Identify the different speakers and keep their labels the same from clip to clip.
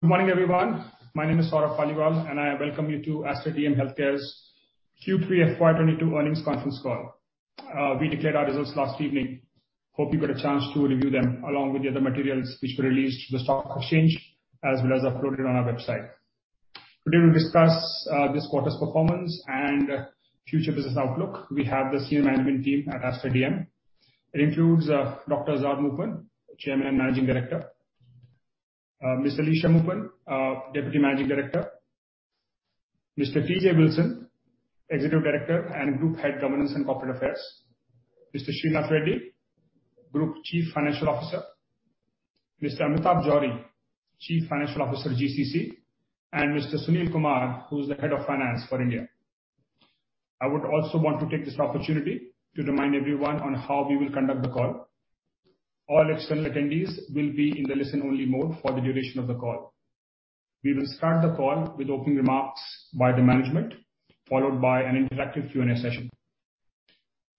Speaker 1: Good morning, everyone. My name is Saurabh Paliwal, and I welcome you to Aster DM Healthcare's Q3 FY 2022 earnings conference call. We declared our results last evening. Hope you got a chance to review them along with the other materials which were released to the stock exchange as well as uploaded on our website. Today we'll discuss this quarter's performance and future business outlook. We have the senior management team at Aster DM. It includes Dr. Azad Moopen, Chairman and Managing Director, Ms. Alisha Moopen, Deputy Managing Director, Mr. T.J. Wilson, Executive Director and Group Head Governance and Corporate Affairs, Mr. Sreenath Reddy, Group Chief Financial Officer, Mr. Amitabh Johri, Chief Financial Officer, GCC, and Mr. Sunil Kumar, who's the Head of Finance for India. I would also want to take this opportunity to remind everyone on how we will conduct the call. All external attendees will be in the listen-only mode for the duration of the call. We will start the call with opening remarks by the management, followed by an interactive Q&A session.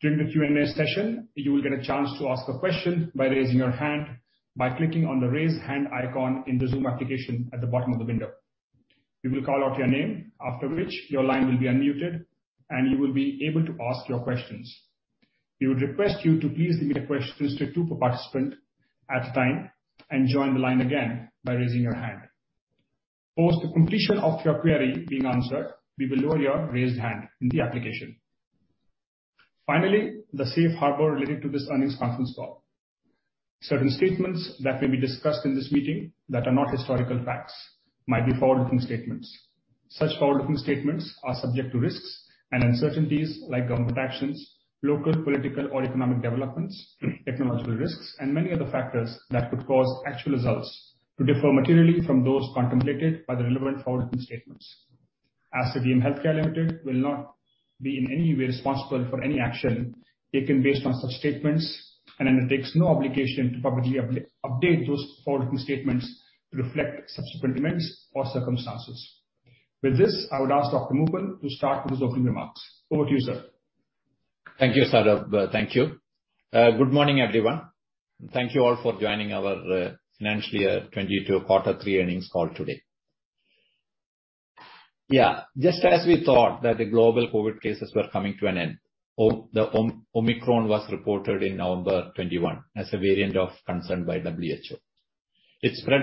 Speaker 1: During the Q&A session, you will get a chance to ask a question by raising your hand by clicking on the Raise Hand icon in the Zoom application at the bottom of the window. We will call out your name, after which your line will be unmuted, and you will be able to ask your questions. We would request you to please limit questions to two per participant at a time and join the line again by raising your hand. Post the completion of your query being answered, we will lower your raised hand in the application. Finally, the safe harbor related to this earnings conference call. Certain statements that will be discussed in this meeting that are not historical facts might be forward-looking statements. Such forward-looking statements are subject to risks and uncertainties like government actions, local, political, or economic developments, technological risks, and many other factors that could cause actual results to differ materially from those contemplated by the relevant forward-looking statements. Aster DM Healthcare Limited will not be in any way responsible for any action taken based on such statements and undertakes no obligation to publicly update those forward-looking statements to reflect subsequent events or circumstances. With this, I would ask Dr. Moopen to start with his opening remarks. Over to you, sir.
Speaker 2: Thank you, Saurabh. Thank you. Good morning, everyone. Thank you all for joining our FY 2022 Q3 earnings call today. Just as we thought that the global COVID cases were coming to an end, Omicron was reported in November 2021 as a variant of concern by WHO. It spread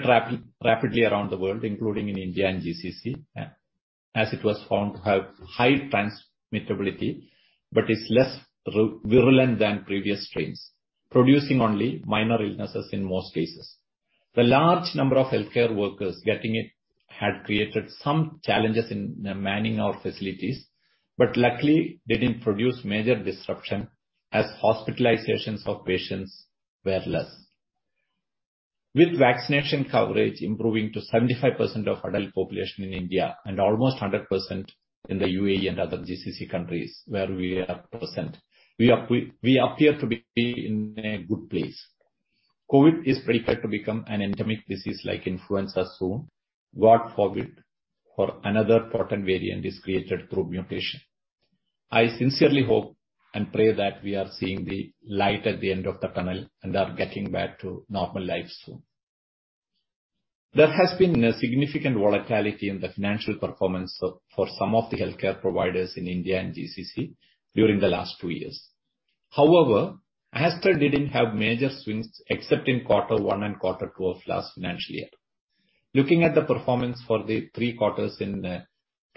Speaker 2: rapidly around the world, including in India and GCC, as it was found to have high transmissibility but is less virulent than previous strains, producing only minor illnesses in most cases. The large number of healthcare workers getting it had created some challenges in manning our facilities, but luckily didn't produce major disruption as hospitalizations of patients were less. With vaccination coverage improving to 75% of adult population in India and almost 100% in the UAE and other GCC countries where we are present, we appear to be in a good place. COVID is predicted to become an endemic disease like influenza soon. God forbid for another potent variant is created through mutation. I sincerely hope and pray that we are seeing the light at the end of the tunnel and are getting back to normal life soon. There has been a significant volatility in the financial performance of some of the healthcare providers in India and GCC during the last two years. However, Aster didn't have major swings except in quarter one and quarter two of last financial year. Looking at the performance for the 3 quarters in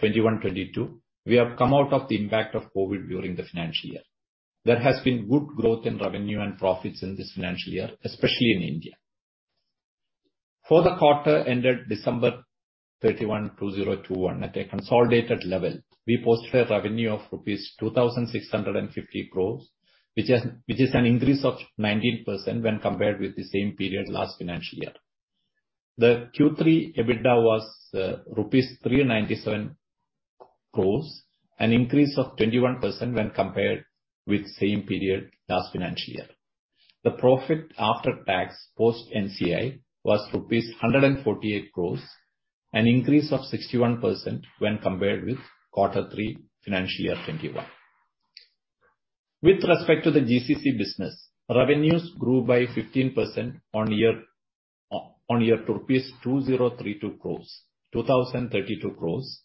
Speaker 2: 2021-22, we have come out of the impact of COVID during the financial year. There has been good growth in revenue and profits in this financial year, especially in India. For the quarter ended December 31, 2021 at a consolidated level, we posted a revenue of rupees 2,650 crores, which is an increase of 19% when compared with the same period last financial year. The Q3 EBITDA was rupees 397 crores, an increase of 21% when compared with same period last financial year. The profit after tax post NCI was rupees 148 crores, an increase of 61% when compared with quarter 3 financial year 2021. With respect to the GCC business, revenues grew by 15% year-on-year to 2,032 crores.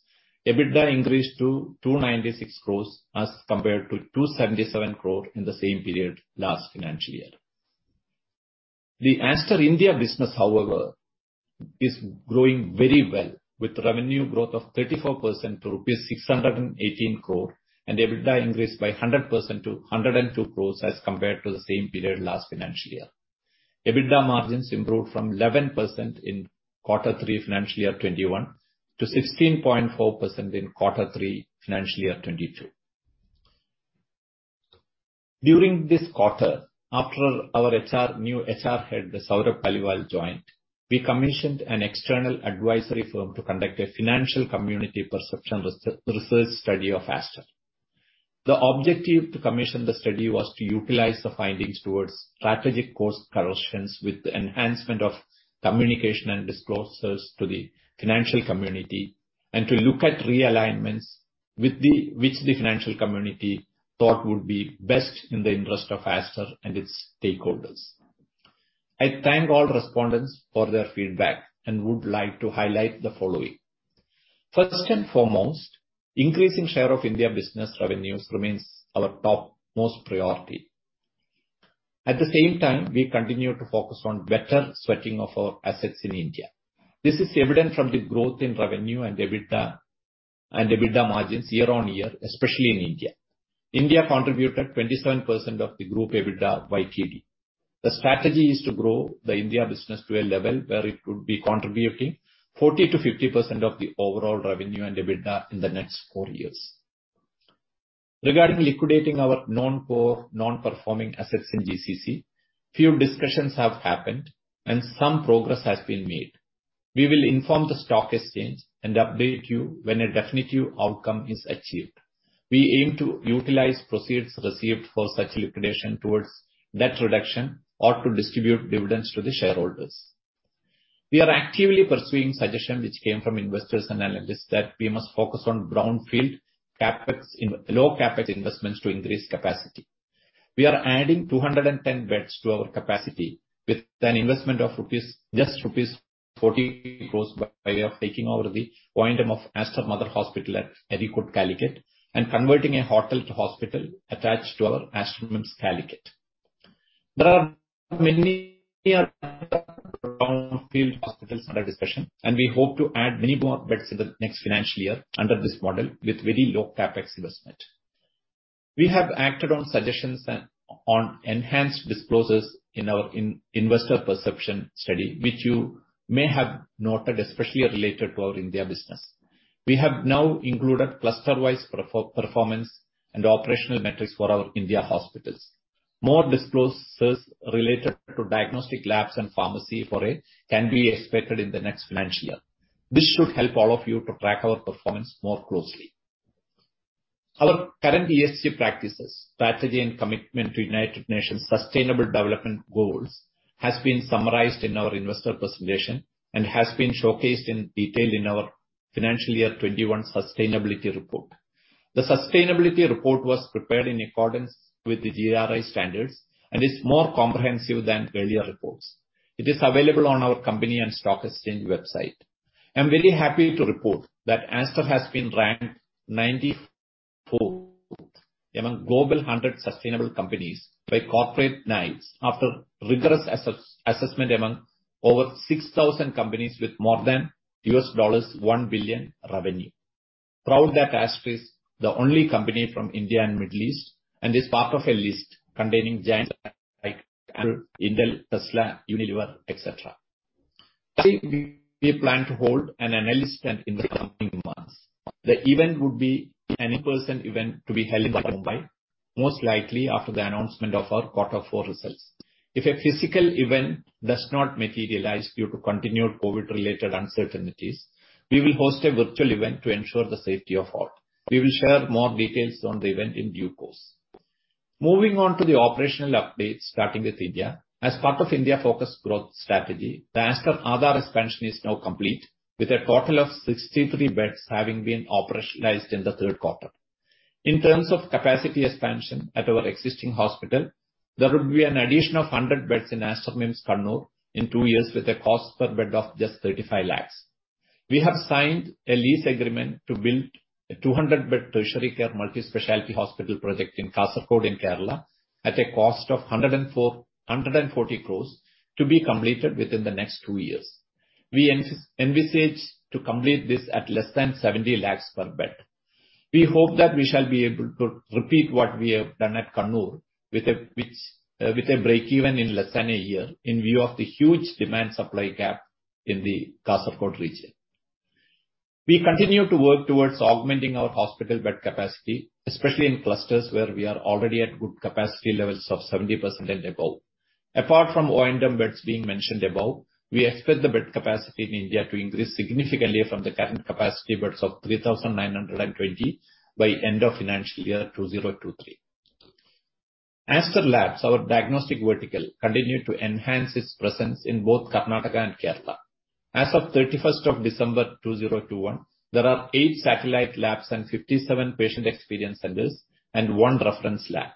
Speaker 2: EBITDA increased to 296 crores as compared to 277 crore in the same period last financial year. The Aster India business, however, is growing very well with revenue growth of 34% to rupees 618 crore and EBITDA increased by 100% to 102 crores as compared to the same period last financial year. EBITDA margins improved from 11% in quarter 3 FY 2021 to 16.4% in quarter 3 FY 2022. During this quarter, after our new HR head, Saurabh Paliwal joined, we commissioned an external advisory firm to conduct a financial community perception research study of Aster. The objective to commission the study was to utilize the findings towards strategic course corrections with the enhancement of communication and disclosures to the financial community to look at realignments which the financial community thought would be best in the interest of Aster and its stakeholders. I thank all respondents for their feedback and would like to highlight the following. First and foremost, increasing share of India business revenues remains our topmost priority. At the same time, we continue to focus on better sweating of our assets in India. This is evident from the growth in revenue and EBITDA, and EBITDA margins year-over-year, especially in India. India contributed 27% of the group EBITDA YTD. The strategy is to grow the India business to a level where it would be contributing 40%-50% of the overall revenue and EBITDA in the next four years. Regarding liquidating our non-core, non-performing assets in GCC, few discussions have happened and some progress has been made. We will inform the stock exchange and update you when a definitive outcome is achieved. We aim to utilize proceeds received for such liquidation towards debt reduction or to distribute dividends to the shareholders. We are actively pursuing suggestion which came from investors and analysts that we must focus on brownfield CapEx in low CapEx investments to increase capacity. We are adding 210 beds to our capacity with an investment of rupees 40 crores by way of taking over the O&M of Aster MIMS Mother Hospital at Areekode, Calicut, and converting a hotel to hospital attached to our Aster MIMS, Calicut. There are many other brownfield hospitals under discussion, and we hope to add many more beds in the next financial year under this model with very low CapEx investment. We have acted on suggestions and on enhanced disclosures in our investor perception study, which you may have noted, especially related to our India business. We have now included cluster-wise performance and operational metrics for our India hospitals. More disclosures related to diagnostic labs and pharmacy for it can be expected in the next financial year. This should help all of you to track our performance more closely. Our current ESG practices, strategy and commitment to United Nations Sustainable Development Goals has been summarized in our investor presentation and has been showcased in detail in our financial year 2021 Sustainability Report. The sustainability report was prepared in accordance with the GRI standards and is more comprehensive than earlier reports. It is available on our company and stock exchange website. I'm very happy to report that Aster has been ranked 94th among Global 100 sustainable companies by Corporate Knights after rigorous assessment among over 6,000 companies with more than $1 billion revenue. Proud that Aster is the only company from India and Middle East and is part of a list containing giants like Apple, Intel, Tesla, Unilever, et cetera. Finally, we plan to hold an analyst event in the coming months. The event would be an in-person event to be held in Mumbai, most likely after the announcement of our quarter four results. If a physical event does not materialize due to continued COVID-related uncertainties, we will host a virtual event to ensure the safety of all. We will share more details on the event in due course. Moving on to the operational update, starting with India. As part of India-focused growth strategy, the Aster Aadhar expansion is now complete, with a total of 63 beds having been operationalized in the third quarter. In terms of capacity expansion at our existing hospital, there will be an addition of 100 beds in Aster MIMS, Kannur in 2 years with a cost per bed of just 35 lakhs. We have signed a lease agreement to build a 200-bed tertiary care multi-specialty hospital project in Kasaragod in Kerala at a cost of 140 crores to be completed within the next 2 years. We envisage to complete this at less than 70 lakhs per bed. We hope that we shall be able to repeat what we have done at Kannur, with a break-even in less than a year in view of the huge demand-supply gap in the Kasaragod region. We continue to work towards augmenting our hospital bed capacity, especially in clusters where we are already at good capacity levels of 70% and above. Apart from O&M beds being mentioned above, we expect the bed capacity in India to increase significantly from the current capacity beds of 3,920 by end of financial year 2023. Aster Labs, our diagnostic vertical, continued to enhance its presence in both Karnataka and Kerala. As of December 31, 2021, there are 8 satellite labs and 57 patient experience centers and 1 reference lab.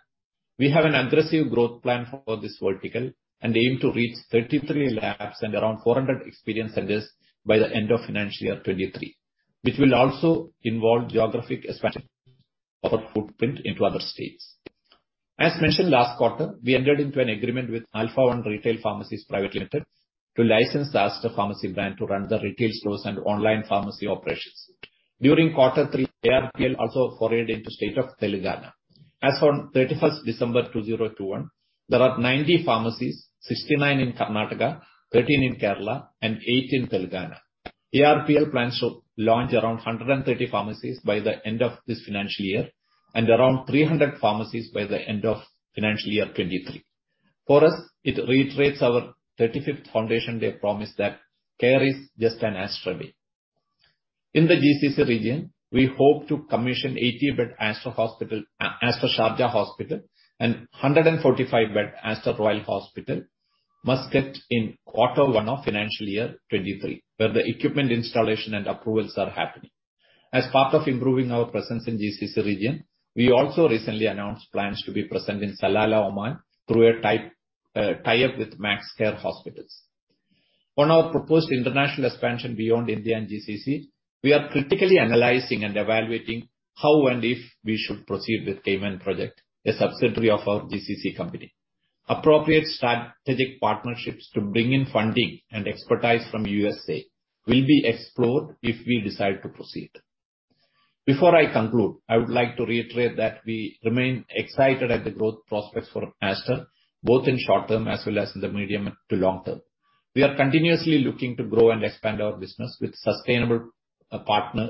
Speaker 2: We have an aggressive growth plan for this vertical and aim to reach 33 labs and around 400 experience centers by the end of FY 2023, which will also involve geographic expansion of our footprint into other states. As mentioned last quarter, we entered into an agreement with Alpha One Retail Pharmacies Private Limited to license the Aster Pharmacy brand to run the retail stores and online pharmacy operations. During Q3, ARPL also forayed into state of Telangana. As on 31 December 2021, there are 90 pharmacies, 69 in Karnataka, 13 in Kerala and 8 in Telangana. ARPL plans to launch around 130 pharmacies by the end of this financial year and around 300 pharmacies by the end of FY 2023. For us, it reiterates our 35th foundation day promise that care is just an Aster away. In the GCC region, we hope to commission 80-bed Aster Hospital, Sharjah and 145-bed Aster Royal Al Raffah Hospital, Muscat in Q1 of FY 2023, where the equipment installation and approvals are happening. As part of improving our presence in GCC region, we also recently announced plans to be present in Salalah, Oman through a tie-up with Maxcare Hospitals. On our proposed international expansion beyond India and GCC, we are critically analyzing and evaluating how and if we should proceed with Cayman project, a subsidiary of our GCC company. Appropriate strategic partnerships to bring in funding and expertise from U.S. will be explored if we decide to proceed. Before I conclude, I would like to reiterate that we remain excited at the growth prospects for Aster, both in short-term as well as in the medium to long term. We are continuously looking to grow and expand our business with sustainable,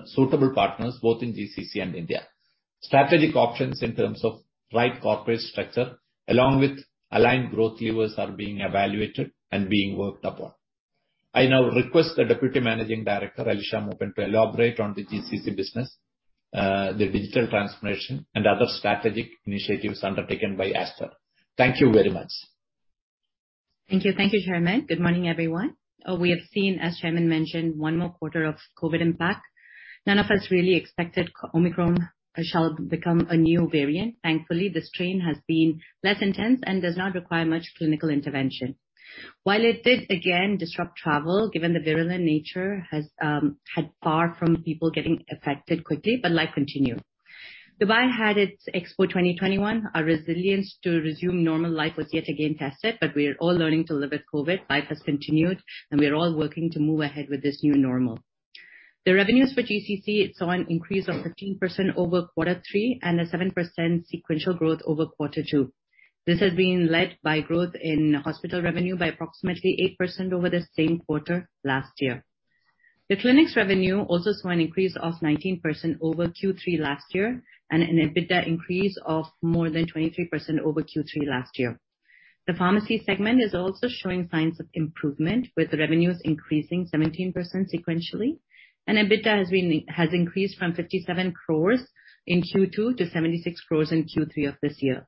Speaker 2: suitable partners, both in GCC and India. Strategic options in terms of right corporate structure along with aligned growth levers are being evaluated and being worked upon. I now request the Deputy Managing Director, Alisha Moopen, to elaborate on the GCC business, the digital transformation and other strategic initiatives undertaken by Aster. Thank you very much.
Speaker 3: Thank you. Thank you, Chairman. Good morning, everyone. We have seen, as Chairman mentioned, one more quarter of COVID impact. None of us really expected Omicron shall become a new variant. Thankfully, the strain has been less intense and does not require much clinical intervention. While it did again disrupt travel, given the virulent nature had far fewer people getting affected quickly, but life continued. Dubai had its Expo 2020. Our resilience to resume normal life was yet again tested, but we are all learning to live with COVID. Life has continued, and we are all working to move ahead with this new normal. The revenues for GCC saw an increase of 13% over quarter three and a 7% sequential growth over quarter two. This has been led by growth in hospital revenue by approximately 8% over the same quarter last year. The clinics revenue also saw an increase of 19% over Q3 last year and an EBITDA increase of more than 23% over Q3 last year. The pharmacy segment is also showing signs of improvement, with revenues increasing 17% sequentially, and EBITDA has increased from 57 crores in Q2 to 76 crores in Q3 of this year.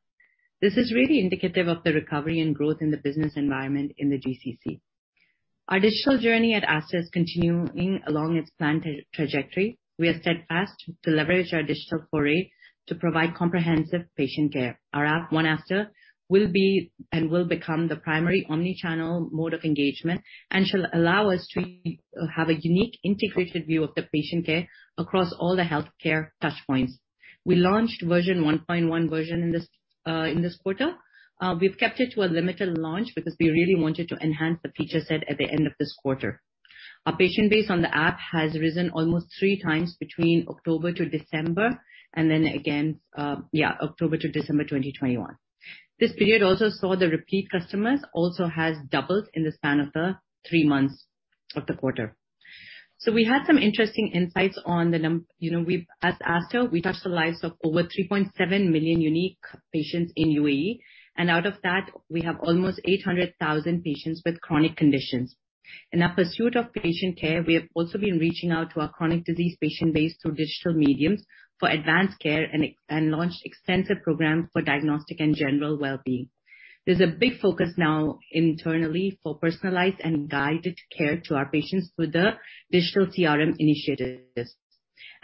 Speaker 3: This is really indicative of the recovery and growth in the business environment in the GCC. Our digital journey at Aster is continuing along its planned trajectory. We are steadfast to leverage our digital foray to provide comprehensive patient care. Our app, One Aster, will be and will become the primary omni-channel mode of engagement and shall allow us to have a unique integrated view of the patient care across all the healthcare touchpoints. We launched version 1.1 in this quarter. We've kept it to a limited launch because we really wanted to enhance the feature set at the end of this quarter. Our patient base on the app has risen almost 3x between October to December and then again, October to December 2021. This period also saw the repeat customers also has doubled in the span of the 3 months of the quarter. We had some interesting insights on the num. As Aster, we touched the lives of over 3.7 million unique patients in UAE, and out of that, we have almost 800,000 patients with chronic conditions. In our pursuit of patient care, we have also been reaching out to our chronic disease patient base through digital mediums for advanced care and launched extensive programs for diagnostic and general well-being. There's a big focus now internally for personalized and guided care to our patients through the digital CRM initiatives.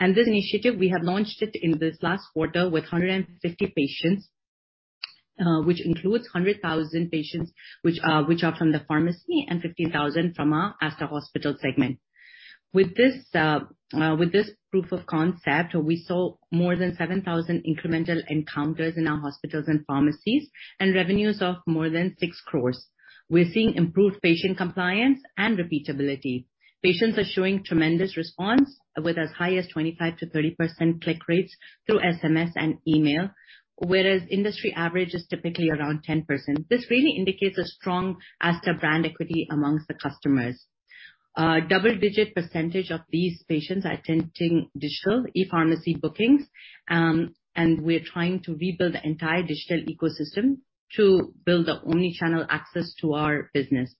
Speaker 3: This initiative, we have launched it in this last quarter with 150,000 patients, which includes 100,000 patients which are from the pharmacy and 50,000 from our Aster Hospital segment. With this proof of concept, we saw more than 7,000 incremental encounters in our hospitals and pharmacies and revenues of more than 6 crore. We're seeing improved patient compliance and repeatability. Patients are showing tremendous response with as high as 25%-30% click rates through SMS and email, whereas industry average is typically around 10%. This really indicates a strong Aster brand equity amongst the customers. A double-digit percentage of these patients are attending digital ePharmacy bookings, and we're trying to rebuild the entire digital ecosystem to build an omni-channel access to our business.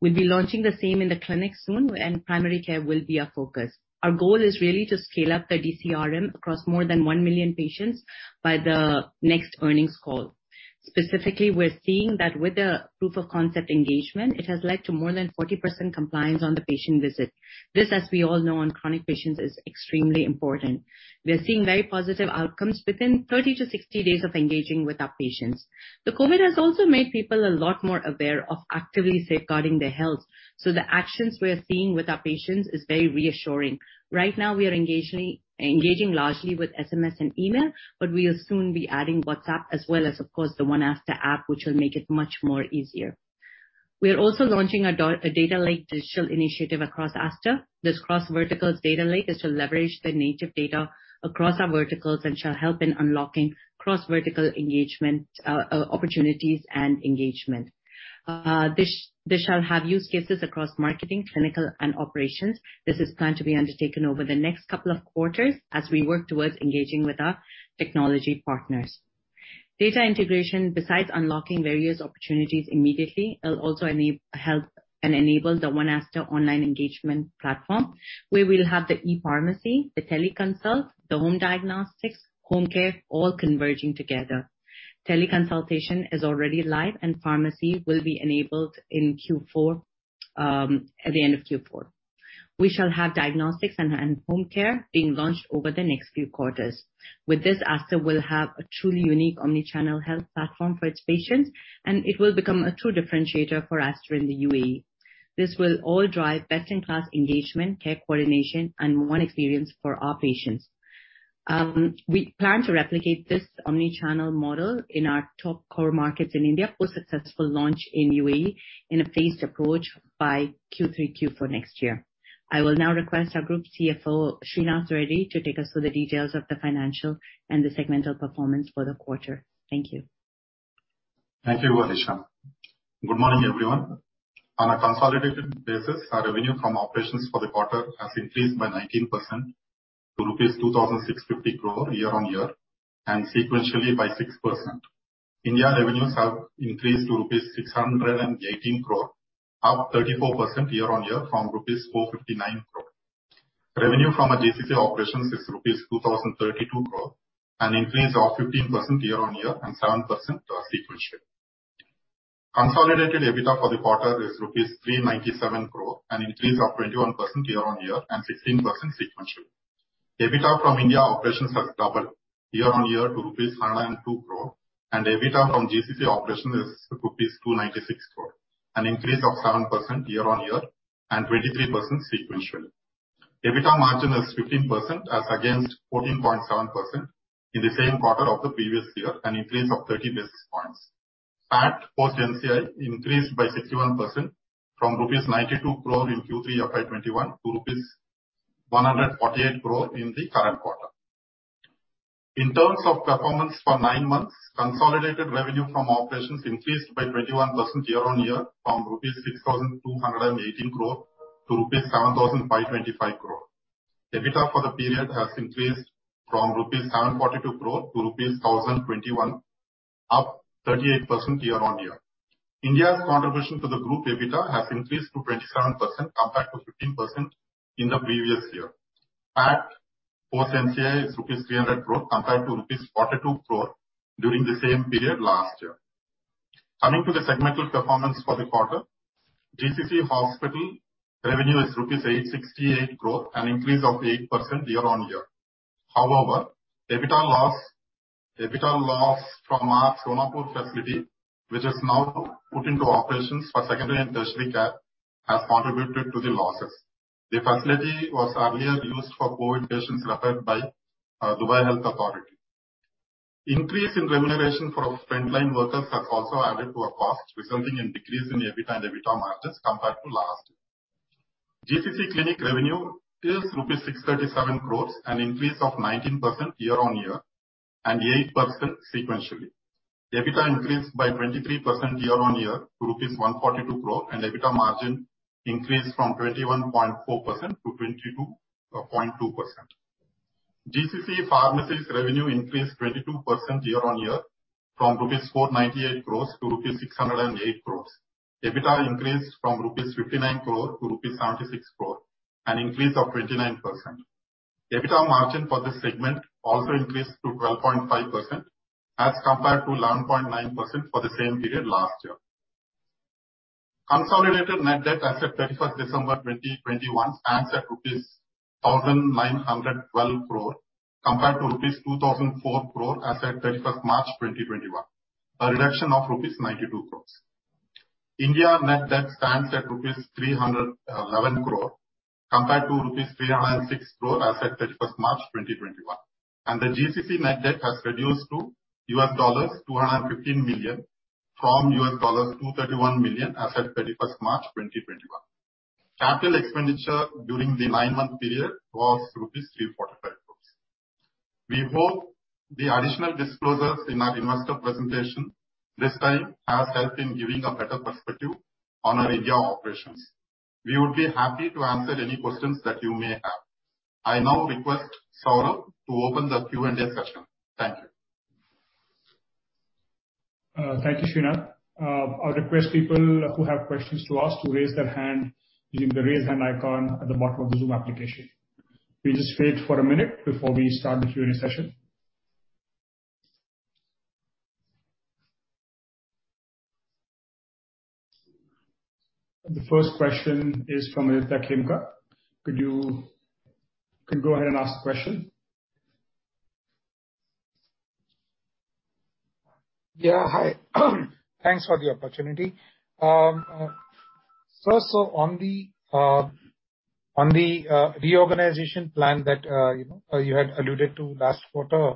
Speaker 3: We'll be launching the same in the clinic soon, where end primary care will be our focus. Our goal is really to scale up the DCRM across more than 1 million patients by the next earnings call. Specifically, we're seeing that with the proof of concept engagement, it has led to more than 40% compliance on the patient visit. This, as we all know, on chronic patients, is extremely important. We are seeing very positive outcomes within 30-60 days of engaging with our patients. The COVID has also made people a lot more aware of actively safeguarding their health, so the actions we are seeing with our patients is very reassuring. Right now we are engaging largely with SMS and email, but we will soon be adding WhatsApp as well as, of course, the One Aster app, which will make it much more easier. We are also launching a data lake digital initiative across Aster. This cross-vertical data lake is to leverage the native data across our verticals and shall help in unlocking cross-vertical engagement opportunities and engagement. This shall have use cases across marketing, clinical, and operations. This is planned to be undertaken over the next couple of quarters as we work towards engaging with our technology partners. Data integration, besides unlocking various opportunities immediately, it'll also enable, help and enable the One Aster online engagement platform, where we'll have the e-pharmacy, the teleconsult, the home diagnostics, home care, all converging together. Teleconsultation is already live, and pharmacy will be enabled in Q4, at the end of Q4. We shall have diagnostics and home care being launched over the next few quarters. With this, Aster will have a truly unique omni-channel health platform for its patients, and it will become a true differentiator for Aster in the UAE. This will all drive best-in-class engagement, care coordination and one experience for our patients. We plan to replicate this omni-channel model in our top core markets in India, post successful launch in UAE in a phased approach by Q3, Q4 next year. I will now request our Group CFO, Sreenath Reddy, to take us through the details of the financial and the segmental performance for the quarter. Thank you.
Speaker 4: Thank you, Alisha Moopen. Good morning, everyone. On a consolidated basis, our revenue from operations for the quarter has increased by 19% to rupees 2,650 crore year-on-year and sequentially by 6%. India revenues have increased to rupees 618 crore, up 34% year-on-year from rupees 459 crore. Revenue from our GCC operations is rupees 2,032 crore, an increase of 15% year-on-year and 7% sequentially. Consolidated EBITDA for the quarter is rupees 397 crore, an increase of 21% year-on-year and 16% sequentially. EBITDA from India operations has doubled year-on-year to rupees 102 crore, and EBITDA from GCC operation is rupees 296 crore, an increase of 7% year-on-year and 23% sequentially. EBITDA margin is 15% as against 14.7% in the same quarter of the previous year, an increase of 30 basis points. PAT post NCI increased by 61% from rupees 92 crore in Q3 of FY 2021 to rupees 148 crore in the current quarter. In terms of performance for nine months, consolidated revenue from operations increased by 21% year-on-year from rupees 6,218 crore to rupees 7,525 crore. EBITDA for the period has increased from rupees 742 crore to rupees 1,021 crore, up 38% year-on-year. India's contribution to the group EBITDA has increased to 27% compared to 15% in the previous year. PAT post NCI is rupees 300 crore compared to rupees 42 crore during the same period last year. Coming to the segmental performance for the quarter, GCC hospital revenue is rupees 868 crore, an increase of 8% year-on-year. However, EBITDA loss from our Sonapur facility, which is now put into operations for secondary and tertiary care, has contributed to the losses. The facility was earlier used for COVID patients referred by Dubai Health Authority. Increase in remuneration for frontline workers has also added to our costs, resulting in decrease in EBITDA and EBITDA margins compared to last year. GCC clinic revenue is rupees 637 crore, an increase of 19% year-on-year and 8% sequentially. EBITDA increased by 23% year-on-year to rupees 142 crore, and EBITDA margin increased from 21.4% to 22.2%. GCC pharmacies revenue increased 22% year-on-year from rupees 498 crore to rupees 608 crore. EBITDA increased from rupees 59 crore to rupees 76 crore, an increase of 29%. EBITDA margin for this segment also increased to 12.5% as compared to 11.9% for the same period last year. Consolidated net debt as at December 31, 2021 stands at 1,912 crore compared to 2,004 crore as at March 31, 2021. A reduction of rupees 92 crore. India net debt stands at rupees 311 crore compared to rupees 306 crore as at March 31, 2021. The GCC net debt has reduced to $215 million from $231 million as at March 31, 2021. Capital expenditure during the nine-month period was rupees 345 crore. We hope the additional disclosures in our investor presentation this time has helped in giving a better perspective on our India operations. We would be happy to answer any questions that you may have. I now request Saurabh to open the Q&A session. Thank you.
Speaker 1: Thank you, Sreenath. I'll request people who have questions to ask to raise their hand using the Raise Hand icon at the bottom of the Zoom application. We just wait for a minute before we start the Q&A session. The first question is from Aditya Khemka. You can go ahead and ask the question.
Speaker 5: Yeah. Hi. Thanks for the opportunity. First off on the reorganization plan that you know you had alluded to last quarter,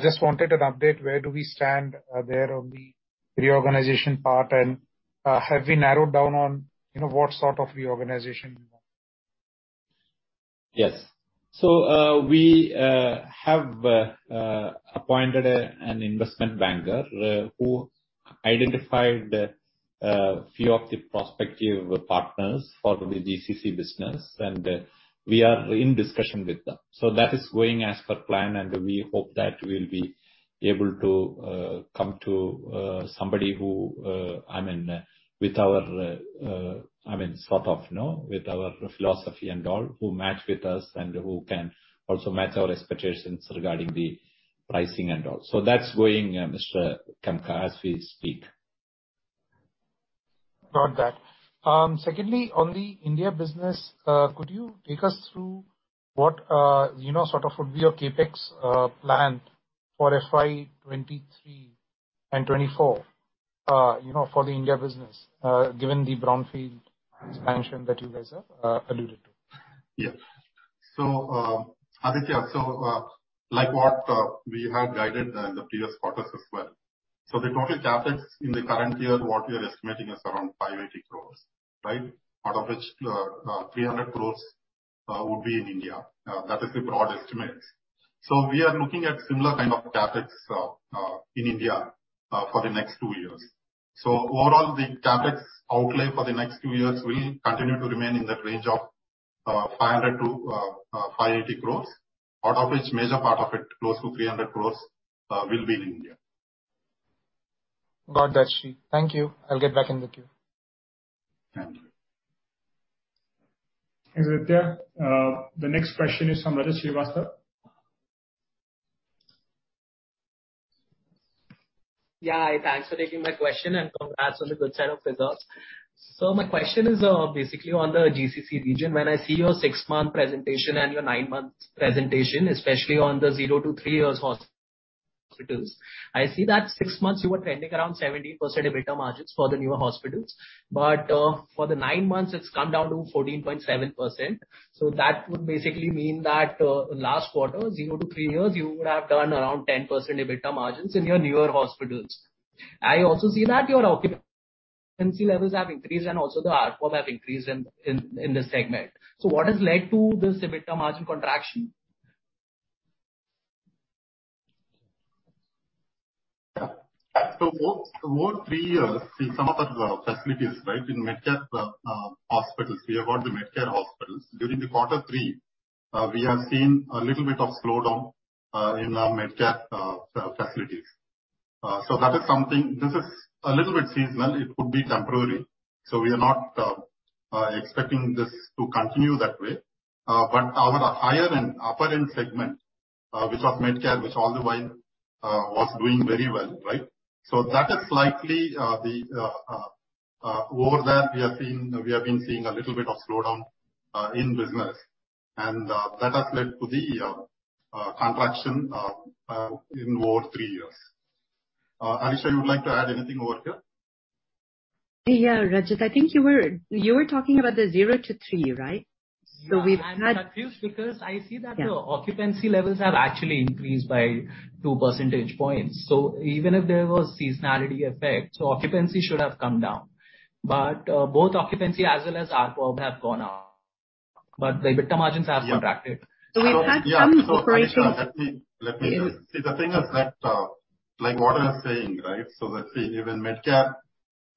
Speaker 5: just wanted an update, where do we stand there on the reorganization part, and have we narrowed down on you know what sort of reorganization you want?
Speaker 2: Yes. We have appointed an investment banker who identified a few of the prospective partners for the GCC business, we are in discussion with them. That is going as per plan, and we hope that we'll be able to come to somebody who, I mean, sort of with our philosophy and all who match with us and who can also match our expectations regarding the pricing and all. That's going, Mr. Khemka, as we speak.
Speaker 5: Got that. Secondly, on the India business, could you take us through what, you know, sort of would be your CapEx plan for FY 2023 and 2024 for the India business, given the brownfield expansion that you guys have alluded to?
Speaker 4: Yeah. Aditya, like what we had guided in the previous quarters as well. The total CapEx in the current year, what we are estimating is around 580 crores, right? Out of which, 300 crores would be in India. That is the broad estimates. We are looking at similar kind of CapEx in India for the next two years. Overall the CapEx outlay for the next two years will continue to remain in the range of 500 crores-580 crores, out of which major part of it, close to 300 crores, will be in India.
Speaker 5: Got that, Sree. Thank you. I'll get back in with you.
Speaker 4: Thank you.
Speaker 1: Thanks, Aditya. The next question is from Rajat Srivastava.
Speaker 6: Yeah. Thanks for taking my question, and congrats on the good set of results. My question is, basically, on the GCC region. When I see your 6-month presentation and your 9-month presentation, especially on the 0-3 years hospitals, I see that 6 months you were trending around 17% EBITDA margins for the newer hospitals. For the 9 months it's come down to 14.7%. That would basically mean that, last quarter, 0-3 years, you would have done around 10% EBITDA margins in your newer hospitals. I also see that your occupancy levels have increased, and also the ARPM have increased in this segment. What has led to this EBITDA margin contraction?
Speaker 4: Over three years in some of our facilities, right? In Medcare hospitals, we have got the Medcare hospitals. During the quarter three, we have seen a little bit of slowdown in our Medcare facilities. That is something. This is a little bit seasonal. It could be temporary, so we are not expecting this to continue that way. Our higher and upper end segment, which was Medcare, which all the while was doing very well, right? That is slightly the over that we have seen. We have been seeing a little bit of slowdown in business. That has led to the contraction in over three years. Alisha Moopen, you would like to add anything over here?
Speaker 3: Yeah, Rajat, I think you were talking about the 0-3, right? We've had
Speaker 6: Yeah. I'm confused because I see that your occupancy levels have actually increased by 2 percentage points. Even if there was seasonality effect, occupancy should have come down. Both occupancy as well as ARPM have gone up, but the EBITDA margins have contracted.
Speaker 3: We've had some operational.
Speaker 4: Yeah. Alisha, let me see the thing is that, like what I was saying, right? Let's say even Medcare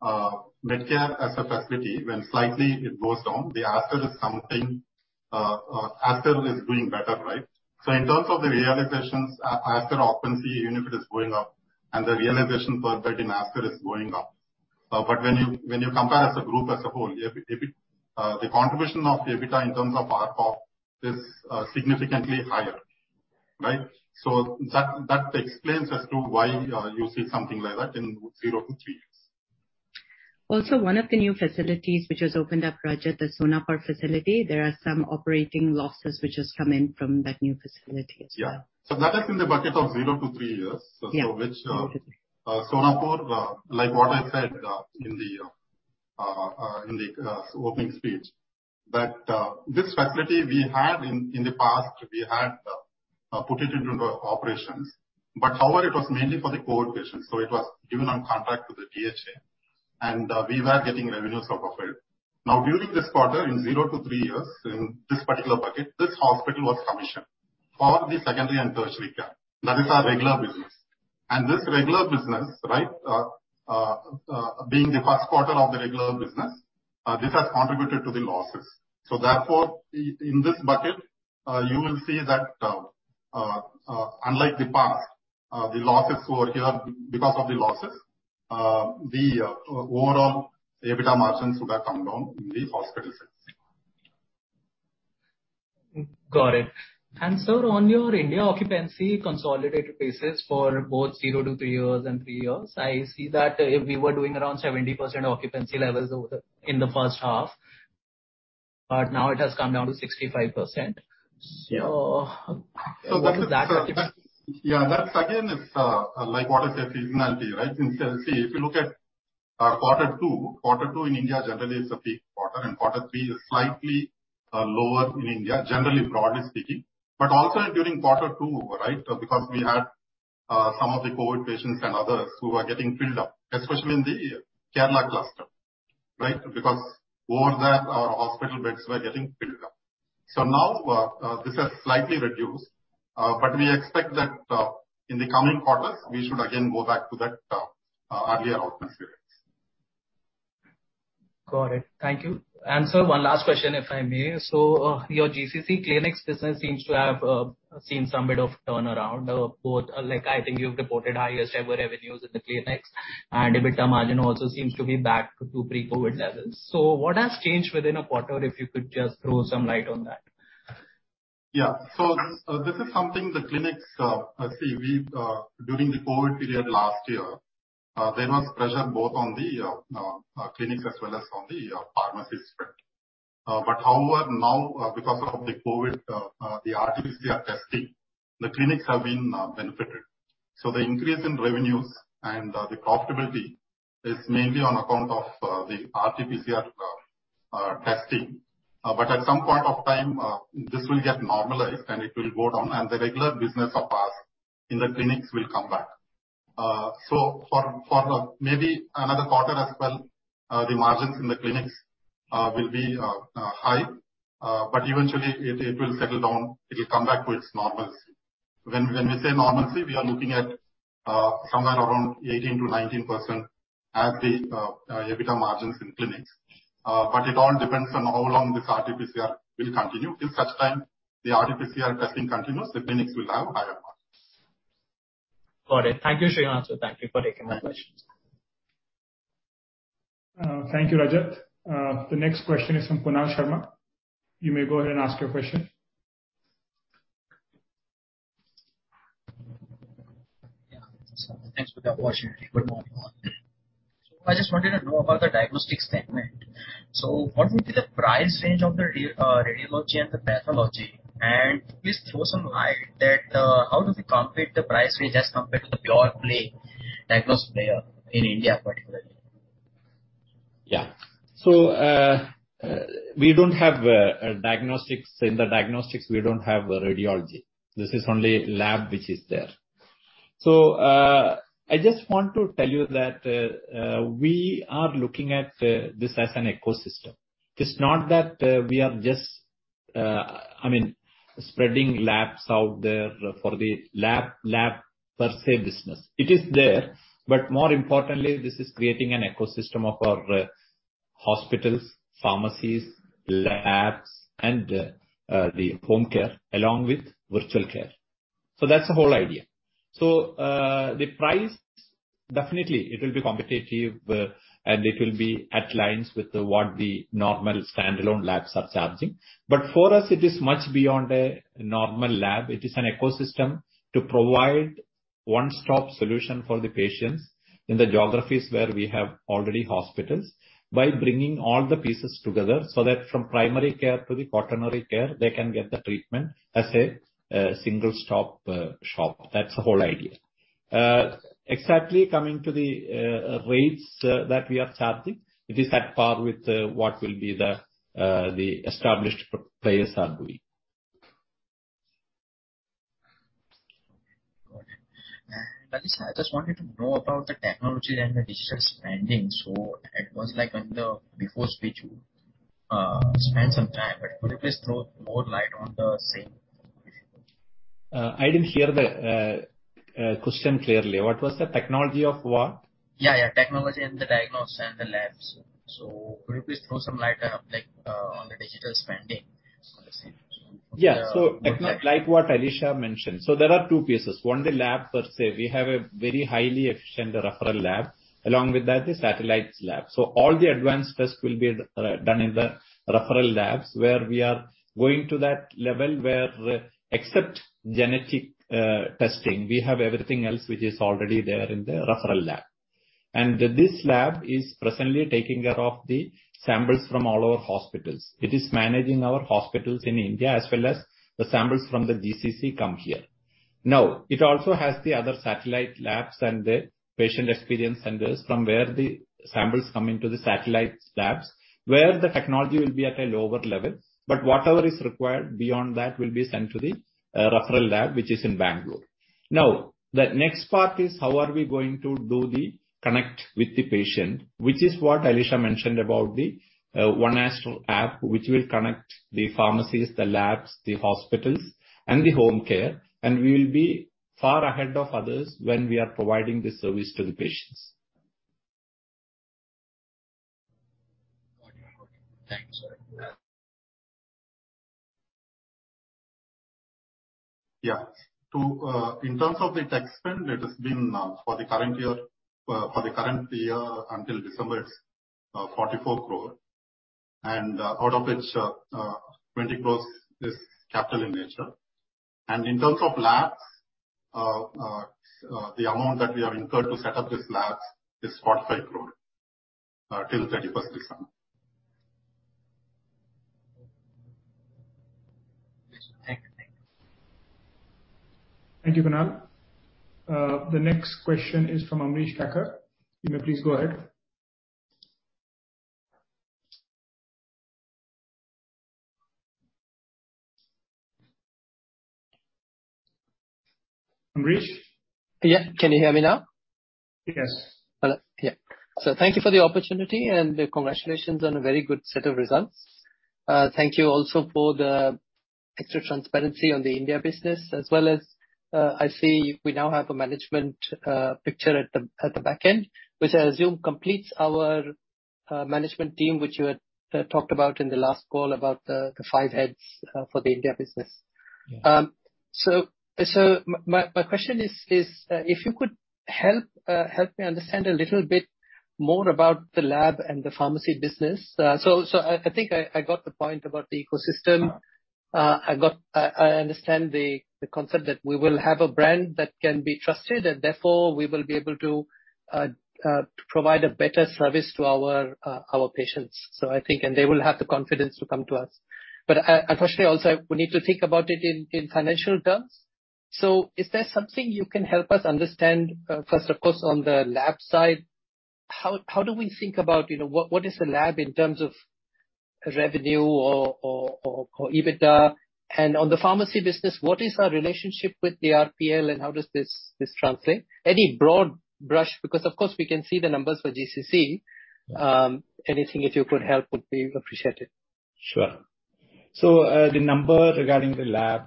Speaker 4: as a facility, when slightly it goes down, the Aster is something, Aster is doing better, right? In terms of the realizations, Aster occupancy even if it is going up and the realization per bed in Aster is going up. But when you compare as a group as a whole, EBITDA, the contribution of the EBITDA in terms of ARPM is significantly higher, right? That explains as to why you see something like that in 0-3 years.
Speaker 3: Also, one of the new facilities which was opened up, Rajat, the Sonapur facility, there are some operating losses which has come in from that new facility as well.
Speaker 4: Yeah. That is in the bucket of 0-3 years.
Speaker 3: Yeah.
Speaker 4: Which Sonapur, like what I said in the opening speech, that this facility we had in the past we had put it into operations. However, it was mainly for the COVID patients, so it was given on contract to the DHA, and we were getting revenues off of it. Now during this quarter, in 0-3 years, in this particular bucket, this hospital was commissioned for the secondary and tertiary care. That is our regular business. This regular business being the first quarter of the regular business, this has contributed to the losses. In this bucket, you will see that, unlike the past, the losses over here because of the losses, the overall EBITDA margins would have come down in the hospital segment.
Speaker 6: Got it. Sir, on your India occupancy consolidated basis for both 0-3 years and 3 years, I see that we were doing around 70% occupancy levels over in the first half, but now it has come down to 65%. What is that occupancy?
Speaker 4: Yeah. That again is, like what I said, seasonality, right? See, if you look at quarter two in India generally is a peak quarter, and quarter three is slightly lower in India, generally broadly speaking. Also during quarter two, right, because we had some of the COVID patients and others who were getting filled up, especially in the Kerala cluster. Right, because more of that hospital beds were getting filled up. Now, this has slightly reduced, but we expect that in the coming quarters we should again go back to that earlier outcome experience.
Speaker 6: Got it. Thank you. Sir, one last question, if I may. Your GCC clinics business seems to have seen some bit of turnaround, both, like I think you've reported highest ever revenues in the clinics and EBITDA margin also seems to be back to pre-COVID levels. What has changed within a quarter, if you could just throw some light on that?
Speaker 4: This is something the clinics during the COVID period last year, there was pressure both on the clinics as well as on the pharmacy spread. However, now, because of the COVID, the RTPCR testing, the clinics have been benefited. The increase in revenues and the profitability is mainly on account of the RTPCR testing. At some point of time, this will get normalized and it will go down and the regular business of ours in the clinics will come back. For maybe another quarter as well, the margins in the clinics will be high. Eventually it will settle down. It'll come back to its normalcy. When we say normalcy, we are looking at somewhere around 18%-19% as the EBITDA margins in clinics. It all depends on how long this RTPCR will continue. Till such time the RTPCR testing continues, the clinics will have higher margins.
Speaker 6: Got it. Thank you, Sreenath. Thank you for taking my questions.
Speaker 1: Thank you, Rajat. The next question is from Kunal Sharma. You may go ahead and ask your question.
Speaker 7: Thanks for the opportunity. Good morning, all. I just wanted to know about the diagnostics segment. What would be the price range of the radiology and the pathology? And please throw some light that how does it compete the price range as compared to the pure play diagnostic player in India particularly?
Speaker 2: We don't have diagnostics. In the diagnostics, we don't have radiology. This is only lab which is there. I just want to tell you that we are looking at this as an ecosystem. It's not that we are just, I mean, spreading labs out there for the lab per se business. It is there, but more importantly, this is creating an ecosystem of our hospitals, pharmacies, labs, and the home care along with virtual care. That's the whole idea. The price definitely will be competitive, and it will be in line with what the normal standalone labs are charging. For us, it is much beyond a normal lab. It is an ecosystem to provide one-stop solution for the patients in the geographies where we have already hospitals, by bringing all the pieces together, so that from primary care to the quaternary care, they can get the treatment as a single stop shop. That's the whole idea. Exactly coming to the rates that we are charging, it is at par with what the established players are doing.
Speaker 7: Okay, got it, I just wanted to know about the technology and the digital spending. It was like on the before speech, you spent some time, but could you please throw more light on the same?
Speaker 2: I didn't hear the question clearly. What was the technology of what?
Speaker 7: Yeah, technology and the diagnostics and the labs. Could you please throw some light on, like, on the digital spending on the same?
Speaker 2: Like what Alisha mentioned. There are two pieces. One, the lab per se. We have a very highly efficient referral lab. Along with that, the satellite labs. All the advanced tests will be done in the referral labs, where we are going to that level where except genetic testing, we have everything else which is already there in the referral lab. This lab is presently taking care of the samples from all our hospitals. It is managing our hospitals in India as well as the samples from the GCC come here. Now, it also has the other satellite labs and the patient experience centers from where the samples come into the satellite labs, where the technology will be at a lower level. But whatever is required beyond that will be sent to the referral lab which is in Bangalore. Now, the next part is how are we going to do the connect with the patient, which is what Alisha mentioned about the One Aster app, which will connect the pharmacies, the labs, the hospitals, and the home care, and we will be far ahead of others when we are providing this service to the patients.
Speaker 7: Got it. Got it. Thanks.
Speaker 4: Yeah. In terms of the tech spend, it has been for the current year until December, it's 44 crore. Out of which, 20 crore is capital in nature. In terms of labs, the amount that we have incurred to set up this labs is 45 crore till 31st December.
Speaker 7: Thank you.
Speaker 1: Thank you, Kunal. The next question is from Amrish Kacker You may please go ahead.
Speaker 2: Amrish?
Speaker 8: Yeah. Can you hear me now?
Speaker 2: Yes.
Speaker 8: Hello, yeah. Thank you for the opportunity, and congratulations on a very good set of results. Thank you also for the extra transparency on the India business, as well as I see we now have a management picture at the back end, which I assume completes our management team, which you had talked about in the last call about the five heads for the India business.
Speaker 2: Yeah.
Speaker 8: My question is, if you could help me understand a little bit more about the lab and the pharmacy business. I think I got the point about the ecosystem. I understand the concept that we will have a brand that can be trusted, and therefore we will be able to provide a better service to our patients. They will have the confidence to come to us. Firstly, also, we need to think about it in financial terms. Is there something you can help us understand, first of course, on the lab side, how do we think about what is the lab in terms of revenue or EBITDA? On the pharmacy business, what is our relationship with the RPL and how does this translate? Any broad brush, because of course we can see the numbers for GCC. Anything that you could help would be appreciated.
Speaker 2: Sure. The number regarding the lab,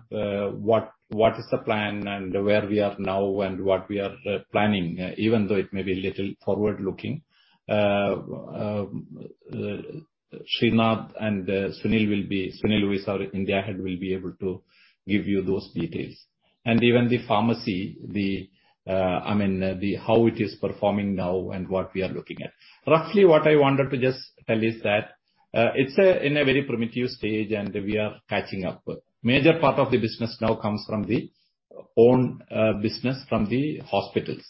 Speaker 2: what is the plan and where we are now and what we are planning, even though it may be a little forward-looking, Sreenath and Sunil Kumar, our India head, will be able to give you those details. Even the pharmacy, how it is performing now and what we are looking at. Roughly what I wanted to just tell is that it's in a very primitive stage, and we are catching up. Major part of the business now comes from the own business from the hospitals.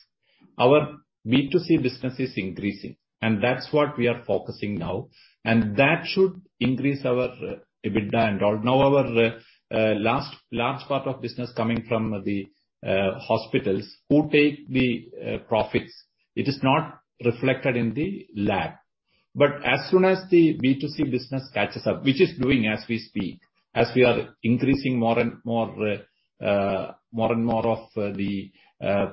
Speaker 2: Our B2C business is increasing, and that's what we are focusing now. That should increase our EBITDA and all. Now, our largest part of business coming from the hospitals who take the profits, it is not reflected in the lab. As soon as the B2C business catches up, which is growing as we speak, as we are increasing more and more of the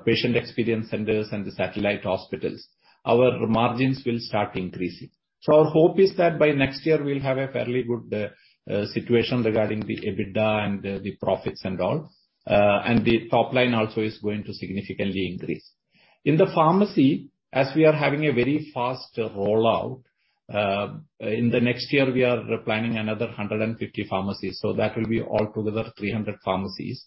Speaker 2: patient experience centers and the satellite hospitals, our margins will start increasing. Our hope is that by next year we'll have a fairly good situation regarding the EBITDA and the profits and all. The top line also is going to significantly increase. In the pharmacy, as we are having a very fast rollout, in the next year, we are planning another 150 pharmacies, so that will be altogether 300 pharmacies.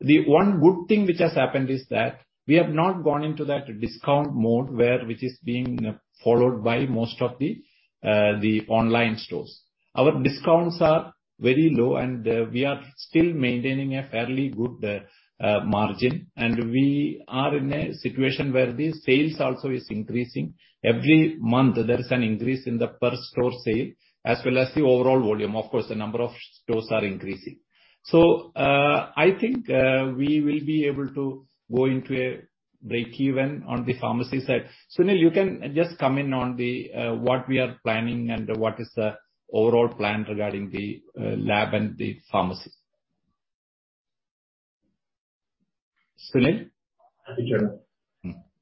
Speaker 2: The one good thing which has happened is that we have not gone into that discount mode where which is being followed by most of the online stores. Our discounts are very low, and we are still maintaining a fairly good margin. We are in a situation where the sales also is increasing. Every month there is an increase in the per store sale as well as the overall volume. Of course, the number of stores are increasing. I think we will be able to go into a break even on the pharmacy side. Sunil, you can just come in on what we are planning and what is the overall plan regarding the lab and the pharmacies. Sunil?
Speaker 9: Thank you, Chairman.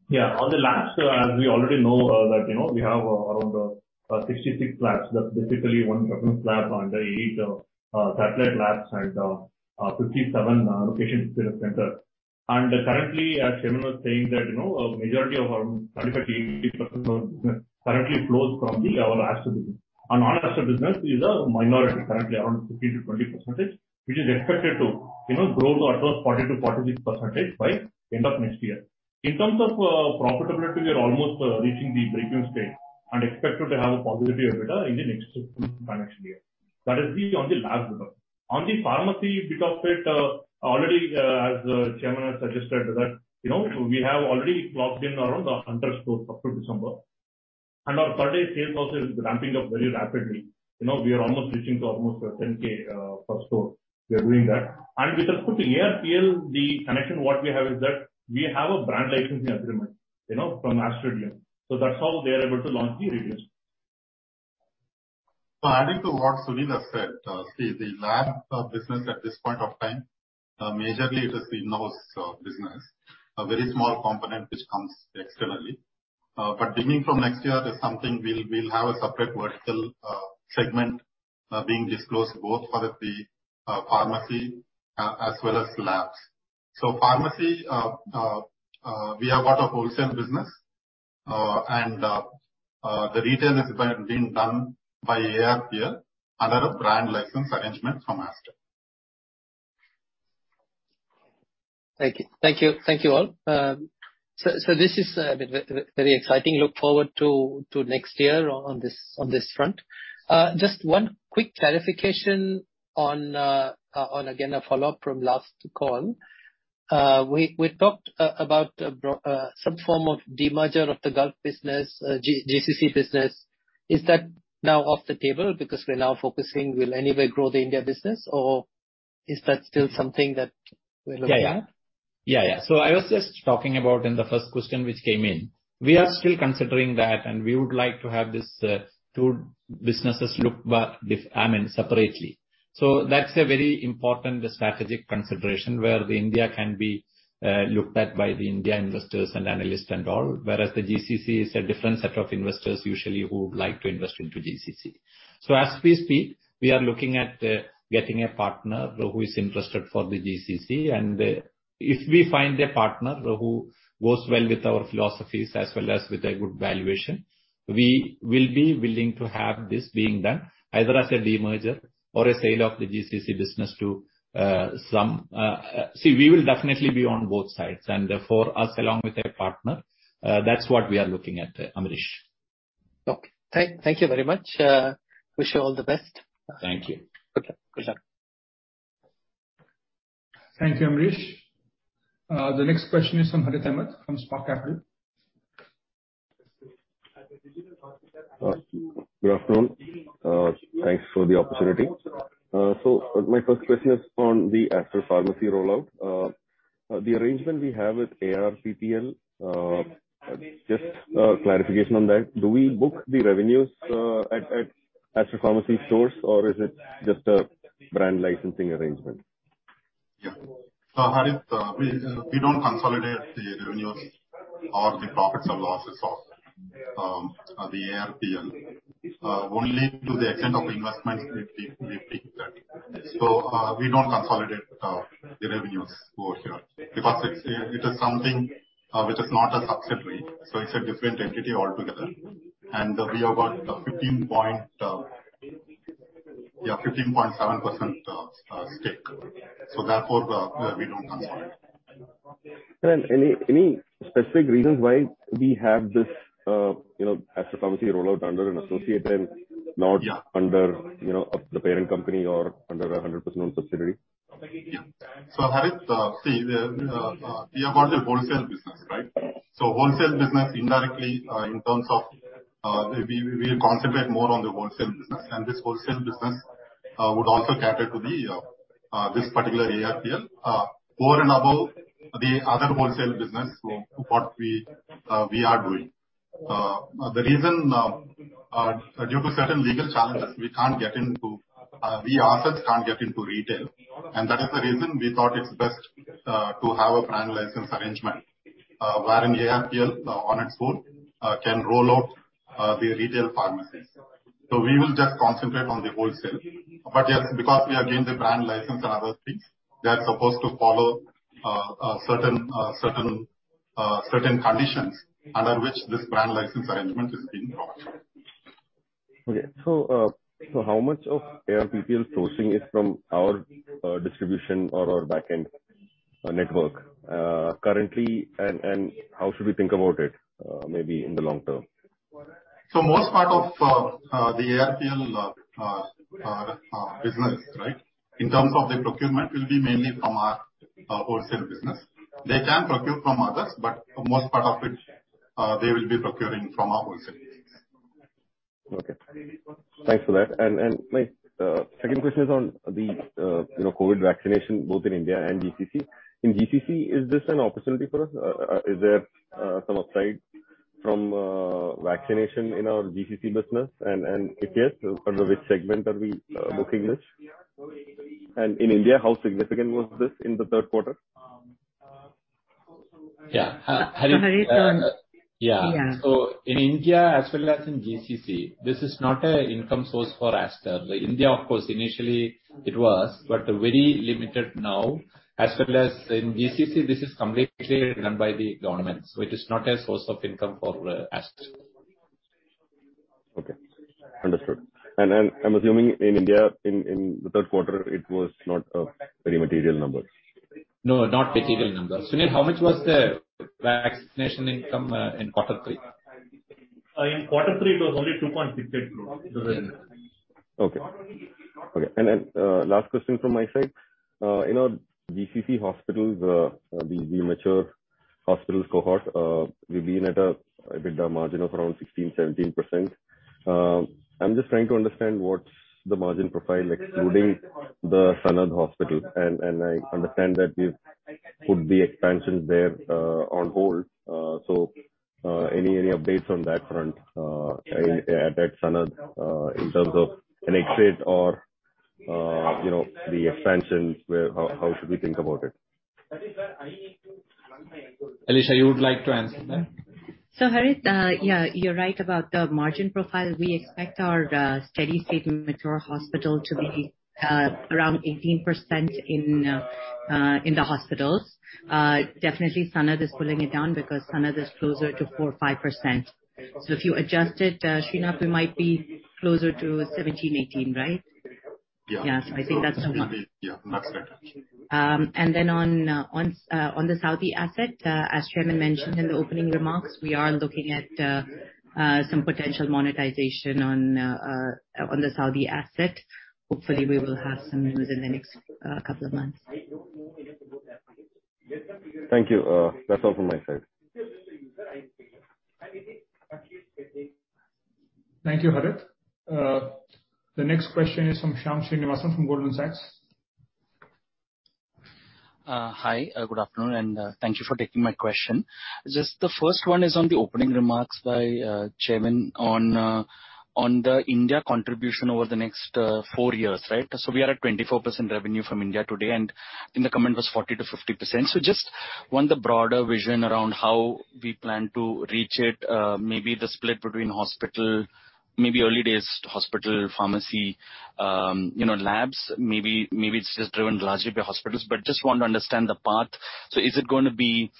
Speaker 9: Yeah. On the labs, as we already know, you know, we have around 66 labs. That's basically one reference lab and eight satellite labs and 57 location experience centers. Currently, as the Chairman was saying, you know, majority of around 30%-80% of business currently flows from our Aster business. Our non-Aster business is a minority, currently around 15%-20%, which is expected to, you know, grow to at least 40%-46% by end of next year. In terms of profitability, we are almost reaching the break-even state and expected to have a positive EBITDA in the next financial year. That is on the lab bit of it. On the pharmacy bit of it, already, as Chairman has suggested that, you know, we have already plugged in around 100 stores up to December. Our per day sales also is ramping up very rapidly. You know, we are almost reaching to almost 10K per store. We are doing that. With respect to ARPL, the connection what we have is that we have a brand licensing agreement, you know, from Aster business. That's how they are able to launch the business.
Speaker 4: Adding to what Sunil has said, see the lab business at this point of time. Majorly it has been this business, a very small component which comes externally. Beginning from next year, we'll have a separate vertical segment being disclosed both for the pharmacy as well as labs. Pharmacy, we have got a wholesale business, and the retail is being done by ARPL under a brand license arrangement from Aster.
Speaker 8: Thank you. Thank you, thank you all. This is very exciting. Look forward to next year on this front. Just one quick clarification on, again, a follow-up from last call. We talked about some form of demerger of the Gulf business, GCC business. Is that now off the table because we're now focusing, will anyway grow the India business or is that still something that we're looking at?
Speaker 2: Yeah. I was just talking about in the first question which came in. We are still considering that, and we would like to have these two businesses, I mean, separately. That's a very important strategic consideration where the India can be looked at by the India investors and analysts and all. Whereas the GCC is a different set of investors usually who like to invest into GCC. As we speak, we are looking at getting a partner who is interested for the GCC. If we find a partner who goes well with our philosophies as well as with a good valuation, we will be willing to have this being done either as a demerger or a sale of the GCC business to some, we will definitely be on both sides, and for us along with a partner, that's what we are looking at, Amrish.
Speaker 8: Okay. Thank you very much. Wish you all the best.
Speaker 2: Thank you.
Speaker 8: Okay. Good luck.
Speaker 4: Thank you, Amrish. The next question is from Harith Ahamed from Spark Capital.
Speaker 10: Good afternoon. Thanks for the opportunity. So my first question is on the Aster Pharmacy rollout. The arrangement we have with ARPL, just clarification on that. Do we book the revenues at Aster Pharmacy stores, or is it just a brand licensing arrangement?
Speaker 4: Yeah, Harith, we don't consolidate the revenues or the profits or losses of the ARPL. Only to the extent of investments we take that. We don't consolidate the revenues over here because it is something which is not a subsidiary, so it's a different entity altogether. We have got 15.7% stake. Therefore, we don't consolidate.
Speaker 10: Any specific reasons why we have this Aster Pharmacy rollout under an associate and not under of the parent company or under a 100% subsidiary?
Speaker 4: Yeah. Harith, we have got a wholesale business, right? We concentrate more on the wholesale business. This wholesale business would also cater to this particular ARPL over and above the other wholesale business, so what we are doing. Due to certain legal challenges, we ourselves can't get into retail. That is the reason we thought it's best to have a brand license arrangement, wherein ARPL on its own can roll out the retail pharmacies. We will just concentrate on the wholesale. Yes, because we have given the brand license and other things, they are supposed to follow certain conditions under which this brand license arrangement is being brought.
Speaker 10: How much of ARPL sourcing is from our distribution or our back-end network currently and how should we think about it maybe in the long term?
Speaker 4: Most part of the ARPL business, right, in terms of the procurement will be mainly from our wholesale business. They can procure from others, but for most part of it, they will be procuring from our wholesale business.
Speaker 10: Okay. Thanks for that. My second question is on the COVID vaccination both in India and GCC. In GCC, is this an opportunity for us? Is there some upside from vaccination in our GCC business? If yes, under which segment are we booking this? In India, how significant was this in the third quarter?
Speaker 2: Yeah. Harith.
Speaker 3: Harith,
Speaker 2: Yeah.
Speaker 3: Yeah.
Speaker 2: In India as well as in GCC, this is not an income source for Aster. In India, of course, initially it was, but very limited now. As well as in GCC, this is completely run by the government, so it is not a source of income for Aster.
Speaker 10: Okay. Understood. I'm assuming in India, in the third quarter it was not a very material number.
Speaker 2: No, not material numbers. Sreenath, how much was the vaccination income in quarter three?
Speaker 9: In quarter three it was only INR 2.62 crore.
Speaker 10: Okay. Last question from my side. In our GCC hospitals, the mature hospitals cohort, we've been at an EBITDA margin of around 16%-17%. I'm just trying to understand what's the margin profile excluding the Sanad Hospital. I understand that we've put the expansions there on hold. Any updates on that front at Sanad in terms of an exit or you know the expansions, how should we think about it?
Speaker 2: Alisha, you would like to answer that?
Speaker 3: Harith, you're right about the margin profile. We expect our steady-state mature hospital to be around 18% in the hospitals. Definitely Sanad is pulling it down because Sanad is closer to 4%-5%. If you adjust it, Sreenath, we might be closer to 17%-18%, right? Yeah. I think that's.
Speaker 10: Yeah, that's right.
Speaker 3: On the Saudi asset, as Chairman mentioned in the opening remarks, we are looking at some potential monetization on the Saudi asset. Hopefully, we will have some news in the next couple of months.
Speaker 10: Thank you. That's all from my side.
Speaker 4: Thank you, Harith. The next question is from Shyam Srinivasan from Goldman Sachs.
Speaker 11: Hi, good afternoon, and thank you for taking my question. Just the first one is on the opening remarks by the chairman on the India contribution over the next four years, right? So we are at 24% revenue from India today, and I think the comment was 40%-50%. So just want the broader vision around how we plan to reach it, maybe the split between hospital, maybe early days to hospital, pharmacy, you know, labs. Maybe it's just driven largely by hospitals. But just want to understand the path. So is it gonna be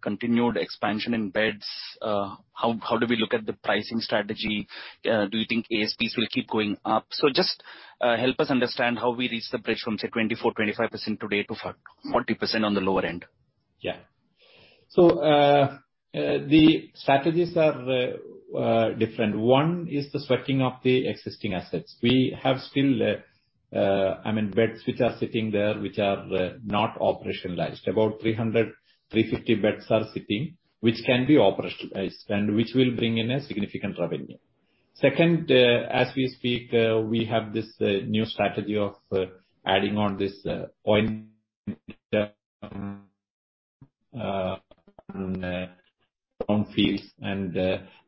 Speaker 11: continued expansion in beds? How do we look at the pricing strategy? Do you think ASPs will keep going up? Just help us understand how we reach the bridge from, say, 24%-25% today to 40% on the lower end.
Speaker 2: The strategies are different. One is the sweating of the existing assets. We have still, I mean, beds which are sitting there which are not operationalized. About 300-350 beds are sitting, which can be operationalized and which will bring in significant revenue. Second, as we speak, we have this new strategy of adding on these brownfields, and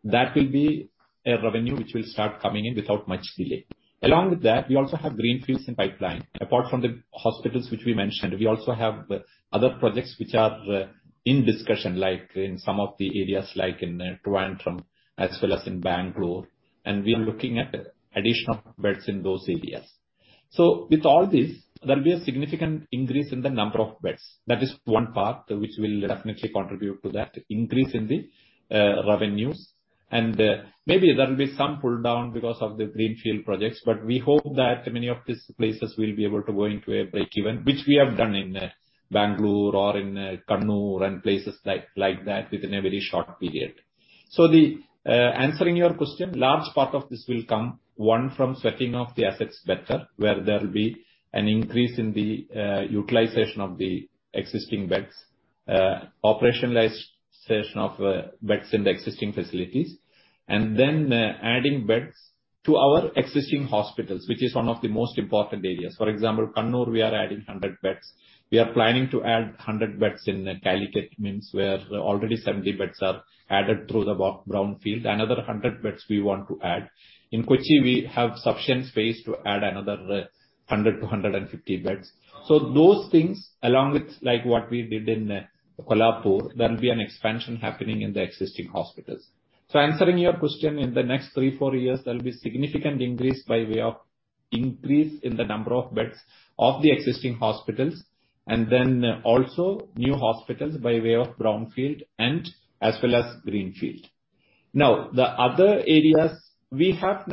Speaker 2: that will be revenue which will start coming in without much delay. Along with that, we also have greenfields in pipeline. Apart from the hospitals which we mentioned, we also have other projects which are in discussion, like in some of the areas like in Trivandrum as well as in Bangalore. We are looking at additional beds in those areas. With all this, there'll be a significant increase in the number of beds. That is one part which will definitely contribute to that increase in the revenues. Maybe there'll be some pull-down because of the greenfield projects, but we hope that many of these places will be able to go into a breakeven, which we have done in Bangalore or in Kannur and places like that within a very short period. Answering your question, large part of this will come, one, from sweating of the assets better, where there'll be an increase in the utilization of the existing beds, operationalization of beds in the existing facilities. Then adding beds to our existing hospitals, which is one of the most important areas. For example, Kannur, we are adding 100 beds. We are planning to add 100 beds in Calicut, means where already 70 beds are added through the brownfield. Another 100 beds we want to add. In Kochi, we have sufficient space to add another 100-150 beds. Those things, along with like what we did in Kolhapur, there'll be an expansion happening in the existing hospitals. Answering your question, in the next 3-4 years, there'll be significant increase by way of increase in the number of beds of the existing hospitals and then also new hospitals by way of brownfield and as well as greenfield. Now, the other areas, we have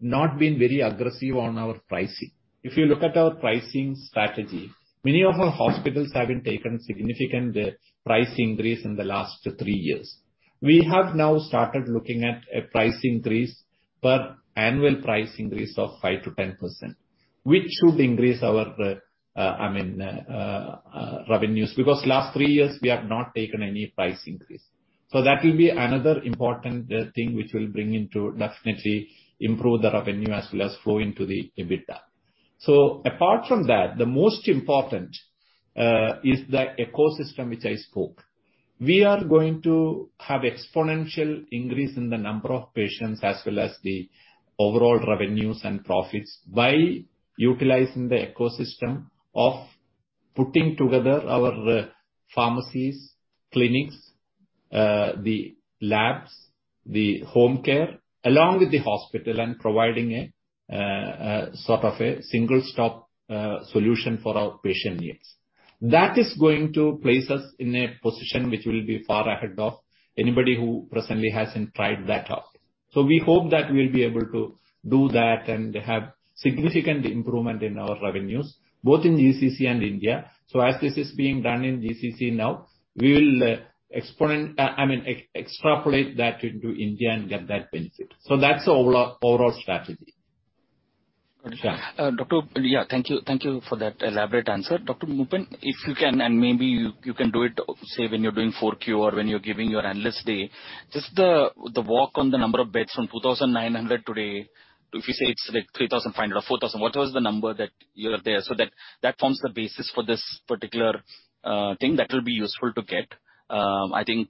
Speaker 2: now not been very aggressive on our pricing. If you look at our pricing strategy, many of our hospitals haven't taken significant price increase in the last 3 years. We have now started looking at a price increase, an annual price increase of 5%-10%, which should increase our revenues. Last 3 years we have not taken any price increase. That will be another important thing which will definitely improve the revenue as well as the flow into the EBITDA. Apart from that, the most important is the ecosystem which I spoke. We are going to have exponential increase in the number of patients as well as the overall revenues and profits by utilizing the ecosystem of putting together our pharmacies, clinics, the labs, the home care, along with the hospital, and providing a sort of a one-stop solution for our patient needs. That is going to place us in a position which will be far ahead of anybody who presently hasn't tried that out. We hope that we'll be able to do that and have significant improvement in our revenues, both in GCC and India. As this is being done in GCC now, we'll extrapolate that into India and get that benefit. That's our overall strategy.
Speaker 11: Got it.
Speaker 2: Sure.
Speaker 11: Doctor, yeah, thank you. Thank you for that elaborate answer. Dr. Azad Moopen, if you can, and maybe you can do it, say, when you're doing Q4 or when you're giving your analyst day, just the walk on the number of beds from 2,900 today to if you say it's like 3,500 or 4,000, whatever is the number that you have there, so that forms the basis for this particular thing. That will be useful to get. I think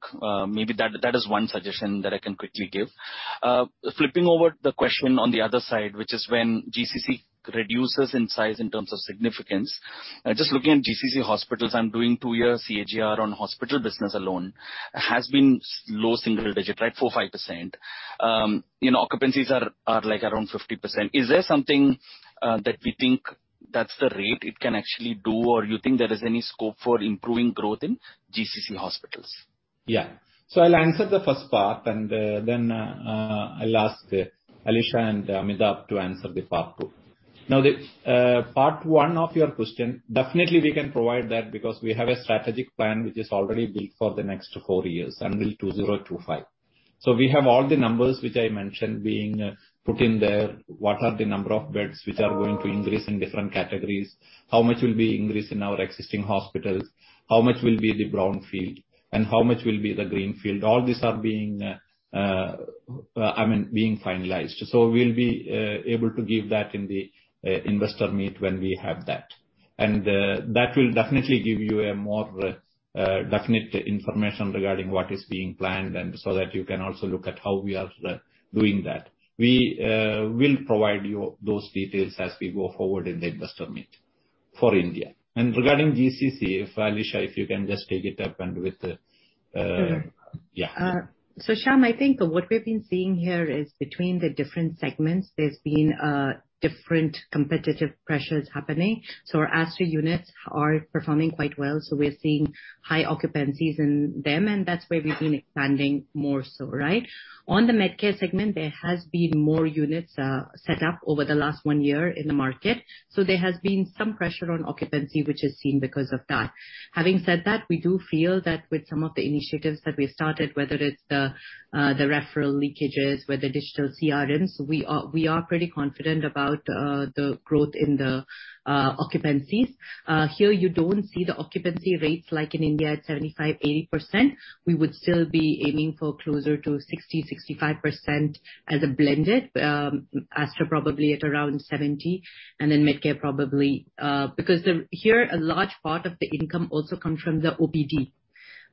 Speaker 11: maybe that is one suggestion that I can quickly give. Flipping over the question on the other side, which is when GCC reduces in size in terms of significance. Just looking at GCC hospitals, I'm doing two-year CAGR on hospital business alone. It has been low single digit, right? 4%-5%. Occupancies are like around 50%. Is there something that we think that's the rate it can actually do, or you think there is any scope for improving growth in GCC hospitals?
Speaker 2: Yeah. I'll answer the first part, and then I'll ask Alisha and Amitabh to answer the part two. Now, the part one of your question, definitely we can provide that because we have a strategic plan which is already built for the next four years, and built to 0-5. We have all the numbers which I mentioned being put in there. What are the number of beds which are going to increase in different categories? How much will be increased in our existing hospitals? How much will be the brownfield, and how much will be the greenfield? All these are being, I mean, being finalized. We'll be able to give that in the investor meet when we have that. That will definitely give you more definite information regarding what is being planned so that you can also look at how we are doing that. We will provide you those details as we go forward in the investor meet for India. Regarding GCC, if Alisha you can just take it up and with the.
Speaker 3: Sure.
Speaker 2: Yeah.
Speaker 3: Shyam, I think what we've been seeing here is between the different segments, there's been different competitive pressures happening. Our Aster units are performing quite well, so we're seeing high occupancies in them, and that's where we've been expanding more so, right? On the Medcare segment, there has been more units set up over the last 1 year in the market. There has been some pressure on occupancy, which is seen because of that. Having said that, we do feel that with some of the initiatives that we started, whether it's the referral leakages with the digital CRMs, we are pretty confident about the growth in the occupancies. Here you don't see the occupancy rates like in India at 75%-80%. We would still be aiming for closer to 60%-65% as a blended. Aster probably at around 70%, and then Medcare probably because here a large part of the income also comes from the OPD.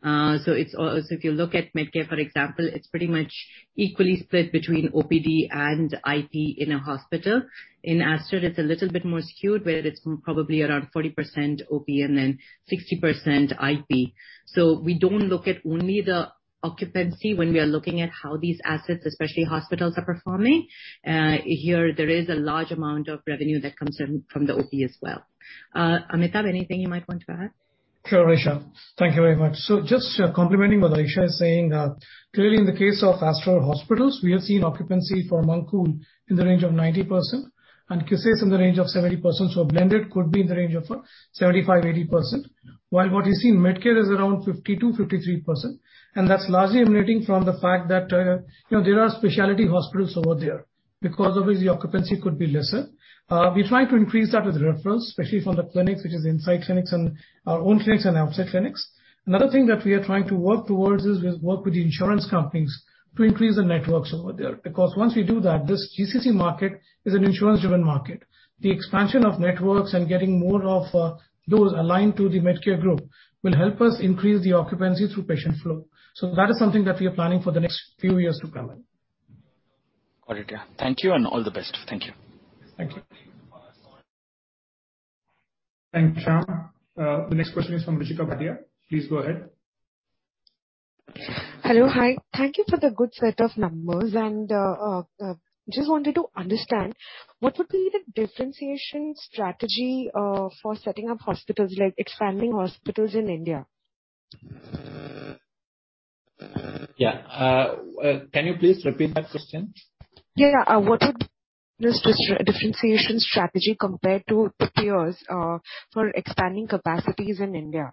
Speaker 3: It's if you look at Medcare for example, it's pretty much equally split between OPD and IP in a hospital. In Aster it's a little bit more skewed, where it's probably around 40% OP and then 60% IP. We don't look at only the occupancy when we are looking at how these assets, especially hospitals, are performing. Here there is a large amount of revenue that comes in from the OP as well. Amitabh, anything you might want to add?
Speaker 12: Sure, Alisha. Thank you very much. Just complementing what Alisha is saying, clearly in the case of Aster hospitals, we have seen occupancy for Mankhool in the range of 90% and Qusais in the range of 70%, so blended could be in the range of 75%-80%. While what we see in Medcare is around 52%-53%, and that's largely emanating from the fact that, you know, there are specialty hospitals over there. Because of which the occupancy could be lesser. We're trying to increase that with referrals, especially from the clinics, which is inside clinics and our own clinics and outside clinics. Another thing that we are trying to work towards is to work with the insurance companies to increase the networks over there. Because once we do that, this GCC market is an insurance-driven market. The expansion of networks and getting more of, those aligned to the Medcare group will help us increase the occupancy through patient flow. That is something that we are planning for the next few years to come.
Speaker 11: Got it. Yeah. Thank you, and all the best. Thank you.
Speaker 12: Thank you.
Speaker 1: Thanks, Shyam. The next question is from Ruchika Bhatia. Please go ahead.
Speaker 13: Hello. Hi. Thank you for the good set of numbers. Just wanted to understand what would be the differentiation strategy for setting up hospitals, like expanding hospitals in India?
Speaker 2: Yeah. Can you please repeat that question?
Speaker 13: Yeah, yeah. What would be the differentiation strategy compared to peers for expanding capacities in India?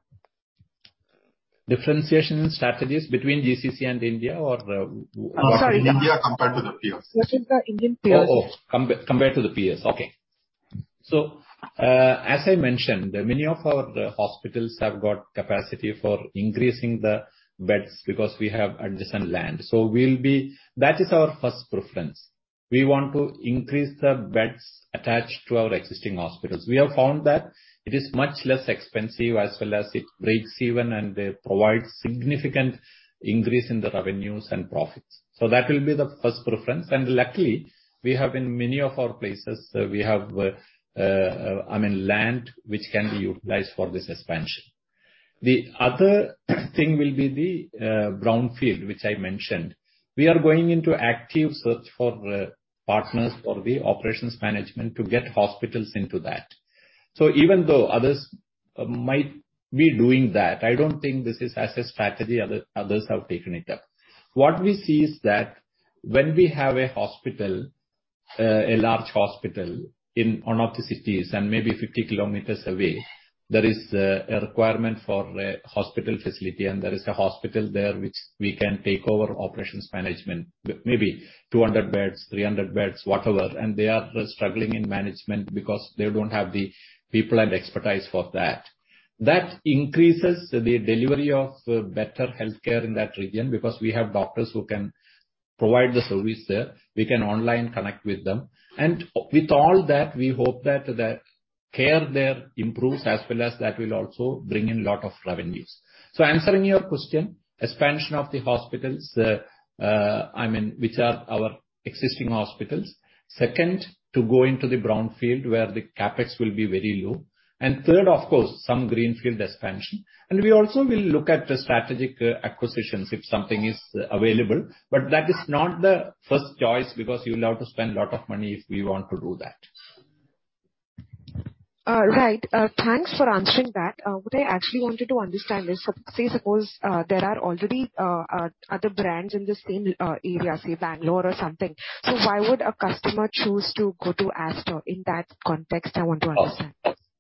Speaker 2: Differentiation strategies between GCC and India or?
Speaker 13: I'm sorry.
Speaker 1: India compared to the peers.
Speaker 13: Which is the Indian peers.
Speaker 2: Compared to the peers. Okay. As I mentioned, many of our hospitals have got capacity for increasing the beds because we have adjacent land. That is our first preference. We want to increase the beds attached to our existing hospitals. We have found that it is much less expensive as well as it breaks even and provides significant increase in the revenues and profits. That will be the first preference. Luckily we have in many of our places, we have, I mean, land which can be utilized for this expansion. The other thing will be the brownfield which I mentioned. We are going into active search for partners for the operations management to get hospitals into that. Even though others might be doing that, I don't think this is a strategy others have taken it up. What we see is that when we have a hospital, a large hospital in one of the cities and maybe 50 kilometers away, there is a requirement for a hospital facility and there is a hospital there which we can take over operations management. Maybe 200 beds, 300 beds, whatever, and they are struggling in management because they don't have the people and expertise for that. That increases the delivery of better healthcare in that region because we have doctors who can provide the service there. We can online connect with them. With all that we hope that the care there improves as well as that will also bring in a lot of revenues. Answering your question, expansion of the hospitals, I mean, which are our existing hospitals. Second to go into the brownfield where the CapEx will be very low. Third of course some greenfield expansion. We also will look at the strategic acquisitions if something is available, but that is not the first choice because you'll have to spend a lot of money if we want to do that.
Speaker 13: Right. Thanks for answering that. What I actually wanted to understand is, say, suppose there are already other brands in the same area, say Bangalore or something. Why would a customer choose to go to Aster in that context? I want to understand.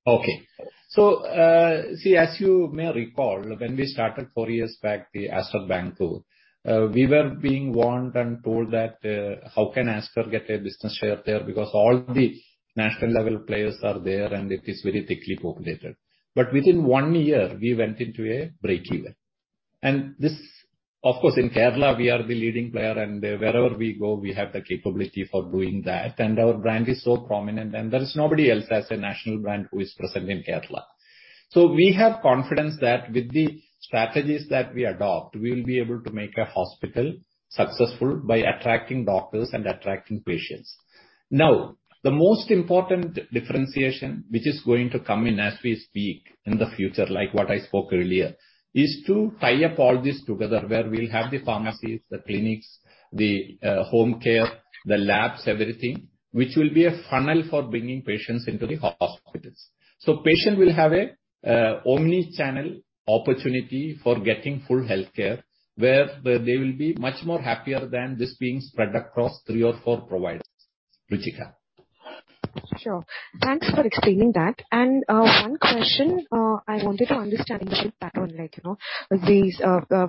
Speaker 2: Okay. See as you may recall when we started four years back the Aster Bangalore, we were being warned and told that, how can Aster get a business share there because all the national level players are there and it is very thickly populated. Within one year we went into a break-even. This, of course, in Kerala we are the leading player, and wherever we go, we have the capability for doing that. Our brand is so prominent, and there is nobody else as a national brand who is present in Kerala. We have confidence that with the strategies that we adopt, we will be able to make a hospital successful by attracting doctors and attracting patients. Now, the most important differentiation which is going to come in as we speak in the future, like what I spoke earlier, is to tie up all this together. Where we'll have the pharmacies, the clinics, the home care, the labs, everything, which will be a funnel for bringing patients into the hospitals. So patient will have a omni-channel opportunity for getting full healthcare, where they will be much more happier than just being spread across three or four providers. Ruchika.
Speaker 13: Sure. Thanks for explaining that. One question, I wanted to understand the share pattern. Like these,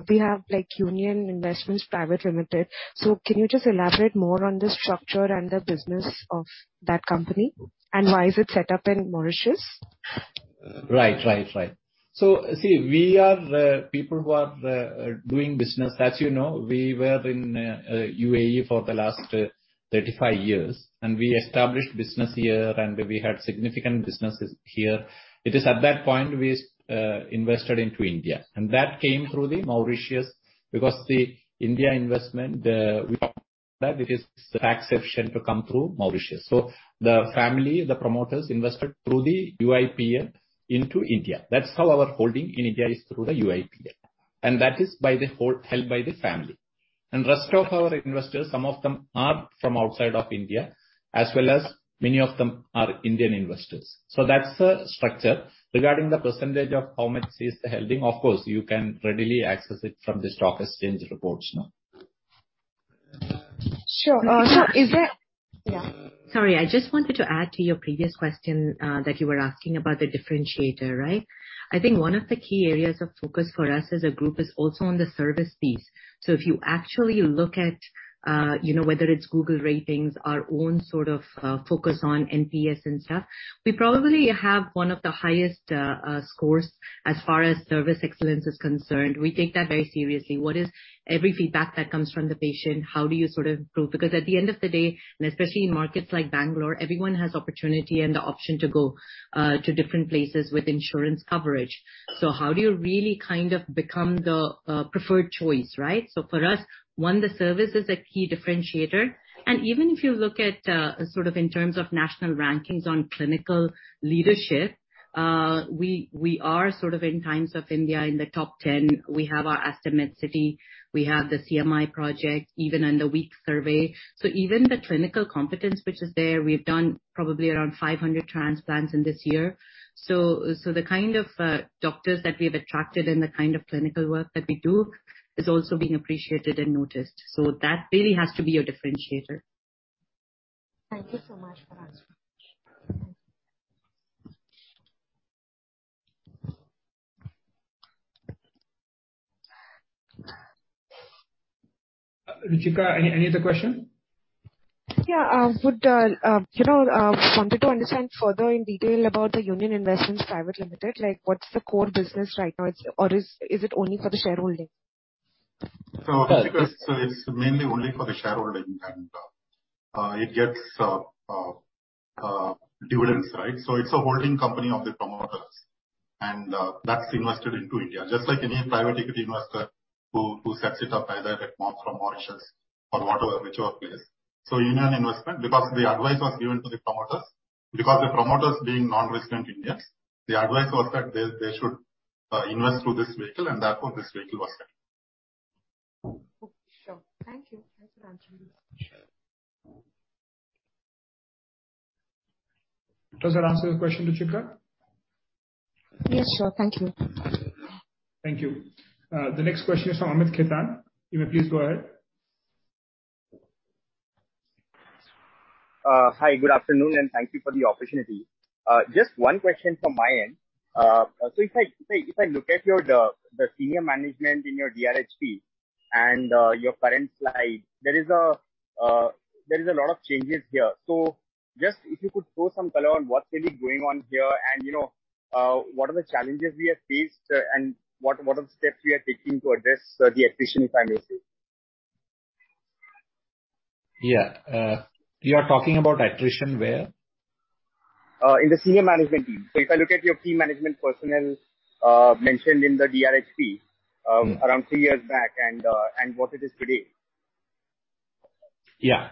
Speaker 13: we have, like, Union Investments Private Limited. Can you just elaborate more on the structure and the business of that company, and why is it set up in Mauritius?
Speaker 2: Right. See, we are people who are doing business. As you know, we were in UAE for the last 35 years, and we established business here, and we had significant businesses here. It is at that point we invested into India, and that came through Mauritius, because the India investment, we thought that it is tax-efficient to come through Mauritius. The family, the promoters, invested through the UIP into India. That's how our holding in India is through the UIP. And that is held by the whole family. Rest of our investors, some of them are from outside of India, as well as many of them are Indian investors. That's the structure. Regarding the percentage of how much is the holding, of course, you can readily access it from the stock exchange reports now.
Speaker 13: Sure. Sir, is there.
Speaker 3: Sorry, I just wanted to add to your previous question, that you were asking about the differentiator, right? I think one of the key areas of focus for us as a group is also on the service piece. If you actually look at, you know, whether it's Google ratings, our own sort of, focus on NPS and stuff, we probably have one of the highest scores as far as service excellence is concerned. We take that very seriously. What is every feedback that comes from the patient, how do you sort of improve? Because at the end of the day, and especially in markets like Bangalore, everyone has opportunity and the option to go, to different places with insurance coverage. How do you really kind of become the, preferred choice, right? For us, one, the service is a key differentiator. Even if you look at, sort of in terms of national rankings on clinical leadership, we are sort of in The Times of India in the top 10. We have our Aster Medcity, we have the Aster CMI project, even in the week survey. Even the clinical competence which is there, we've done probably around 500 transplants in this year. The kind of doctors that we have attracted and the kind of clinical work that we do is also being appreciated and noticed. That really has to be a differentiator.
Speaker 13: Thank you so much for answering.
Speaker 2: Ruchika, any other question?
Speaker 13: Yeah. Wanted to understand further in detail about the Union Investments Private Limited. Like, what's the core business right now? Or is it only for the shareholding?
Speaker 2: Ruchika, so it's mainly only for the shareholding, and it gets dividends, right? It's a holding company of the promoters, and that's invested into India. Just like any private equity investor who sets it up either at or from Mauritius or whatever, whichever it is. Union Investment, because the advice was given to the promoters, because the promoters being non-resident Indians, the advice was that they should invest through this vehicle and therefore this vehicle was set up.
Speaker 13: Okay. Sure. Thank you. Thanks for answering this.
Speaker 2: Sure.
Speaker 3: Does that answer the question, Ruchika?
Speaker 13: Yes, sure. Thank you.
Speaker 2: Thank you. The next question is from Amit Khetan. You may please go ahead.
Speaker 14: Hi. Good afternoon, and thank you for the opportunity. Just one question from my end. If I look at your senior management in your DRHP and your current slide, there is a lot of changes here. Just if you could throw some color on what's really going on here and what are the challenges we have faced, and what are the steps we are taking to address the attrition, if I may say?
Speaker 2: Yeah. You are talking about attrition where?
Speaker 14: In the senior management team. If I look at your key management personnel mentioned in the DRHP around three years back and what it is today.
Speaker 2: Yeah.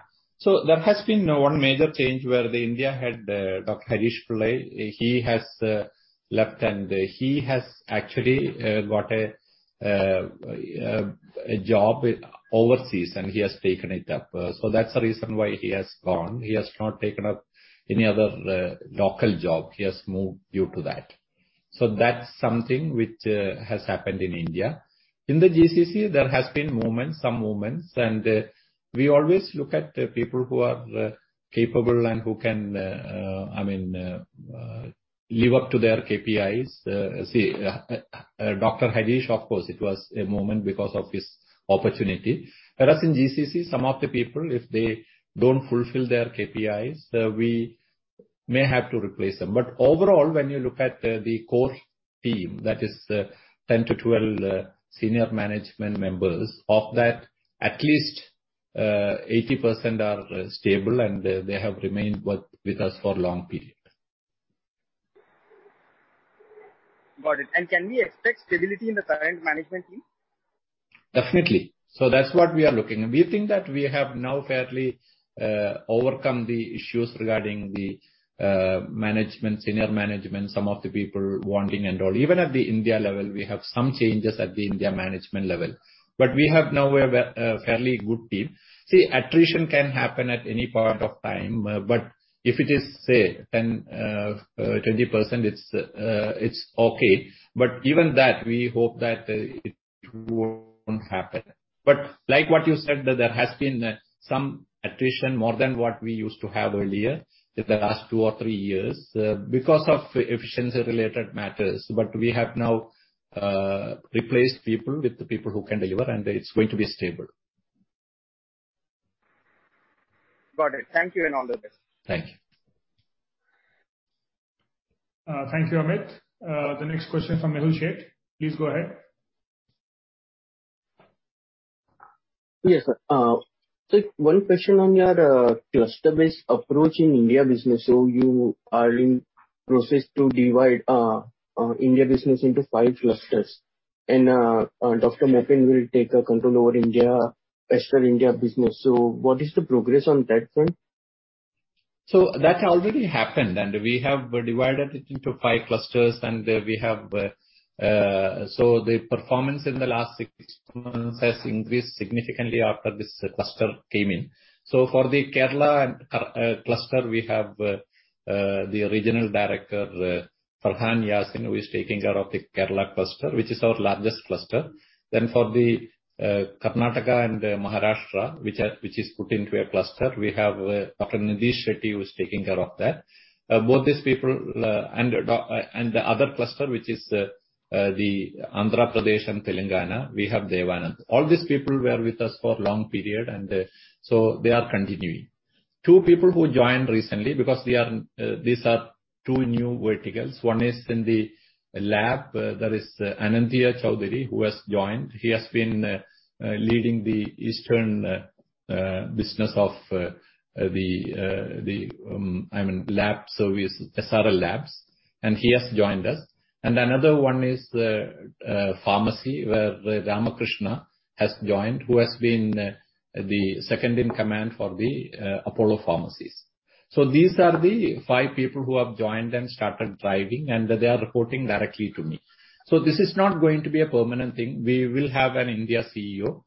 Speaker 2: There has been one major change where the India head, Harish Pillai, he has left and he has actually got a job overseas, and he has taken it up. That's the reason why he has gone. He has not taken up any other local job. He has moved due to that. That's something which has happened in India. In the GCC, there has been some movements, and we always look at people who are capable and who can I mean live up to their KPIs. See, Dr. Harish, of course, it was a movement because of his opportunity. But us in GCC, some of the people, if they don't fulfill their KPIs, we may have to replace them. Overall, when you look at the core team, that is 10-12 senior management members, of that at least 80% are stable and they have remained with us for long period.
Speaker 14: Got it. Can we expect stability in the current management team?
Speaker 2: Definitely. That's what we are looking. We think that we have now fairly overcome the issues regarding the management, senior management, some of the people wanting and all. Even at the India level, we have some changes at the India management level. We have now a fairly good team. Attrition can happen at any point in time, but if it is, say, 10%-20%, it's okay. Even that, we hope that it won't happen. Like what you said, that there has been some attrition more than what we used to have earlier in the last 2 or 3 years, because of efficiency related matters. We have now replaced people with the people who can deliver, and it's going to be stable.
Speaker 14: Got it. Thank you, and all the best.
Speaker 2: Thank you.
Speaker 1: Thank you, Amit. The next question from Mehul Sheth. Please go ahead.
Speaker 15: Yes, sir. One question on your cluster-based approach in India business. You are in process to divide India business into five clusters. Dr. Azad Moopen will take control over Western India business. What is the progress on that front?
Speaker 2: That already happened, and we have divided it into five clusters. The performance in the last six months has increased significantly after this cluster came in. For the Kerala cluster, we have the regional director, Farhaan Yasin, who is taking care of the Kerala cluster, which is our largest cluster. Then for the Karnataka and Maharashtra, which is put into a cluster, we have Dr. Nitish Shetty, who is taking care of that. Both these people and the other cluster, which is the Andhra Pradesh and Telangana, we have Devanand K.T. All these people were with us for long period, and so they are continuing. Two people who joined recently because these are two new verticals. One is in the lab, that is Anindita Chowdhury, who has joined. He has been leading the eastern business of the lab service, SRL Labs, and he has joined us. Another one is pharmacy, where Ramakrishna D. has joined, who has been the second in command for the Apollo Pharmacies. These are the five people who have joined and started driving, and they are reporting directly to me. This is not going to be a permanent thing. We will have an India CEO.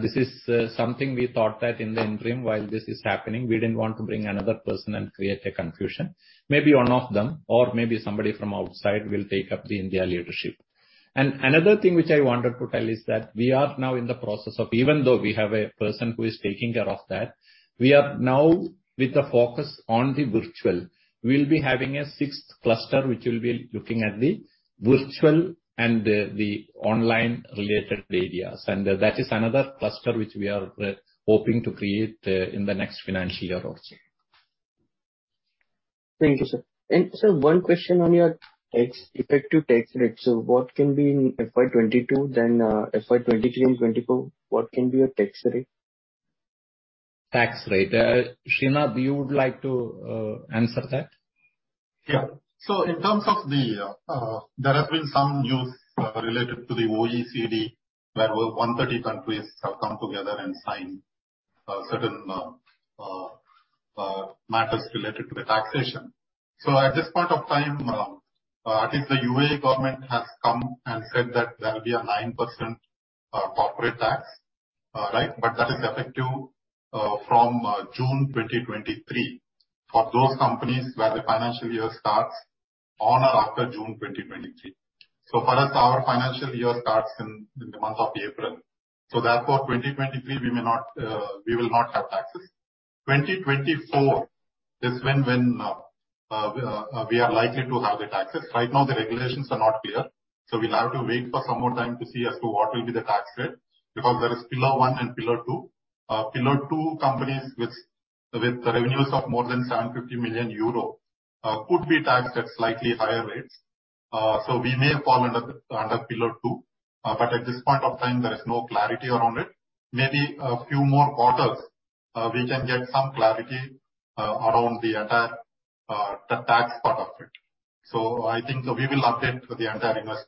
Speaker 2: This is something we thought that in the interim, while this is happening, we didn't want to bring another person and create a confusion. Maybe one of them or maybe somebody from outside will take up the India leadership. Another thing which I wanted to tell is that we are now in the process of even though we have a person who is taking care of that, we are now with the focus on the virtual. We'll be having a sixth cluster, which will be looking at the virtual and the online related areas. That is another cluster which we are hoping to create in the next financial year also.
Speaker 15: Thank you, sir. Sir, one question on your effective tax rate. What can be in FY 2022, then, FY 2023 and 2024, what can be your tax rate?
Speaker 2: Tax rate. Sreenath, you would like to answer that?
Speaker 4: Yeah. In terms of the, there have been some news related to the OECD, where 130 countries have come together and signed certain matters related to the taxation. At this point of time, I think the UAE government has come and said that there will be a 9% corporate tax, right? But that is effective from June 2023 for those companies where the financial year starts on or after June 2023. For us, our financial year starts in the month of April. Therefore, 2023, we will not have taxes. 2024 is when we are likely to have the taxes. Right now, the regulations are not clear, so we'll have to wait for some more time to see as to what will be the tax rate, because there is Pillar One and Pillar Two. Pillar Two companies with revenues of more than 750 million euro could be taxed at slightly higher rates. We may fall under Pillar Two, but at this point of time, there is no clarity around it. Maybe a few more quarters, we can get some clarity around the entire tax part of it. I think we will update the analysts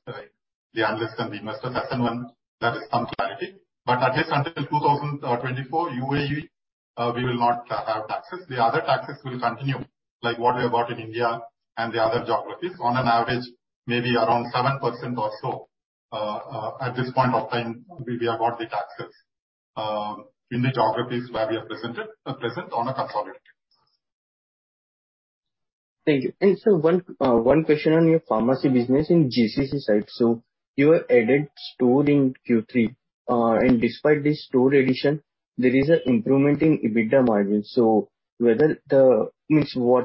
Speaker 4: and the investors when there is some clarity. At least until 2024 UAE, we will not have taxes. The other taxes will continue, like what we have got in India and the other geographies. On an average, maybe around 7% or so, at this point of time, we have got the taxes in the geographies where we are present on a consolidated.
Speaker 15: Thank you. Sir, one question on your pharmacy business in GCC side. So you added store in Q3, and despite this store addition, there is an improvement in EBITDA margin. So, what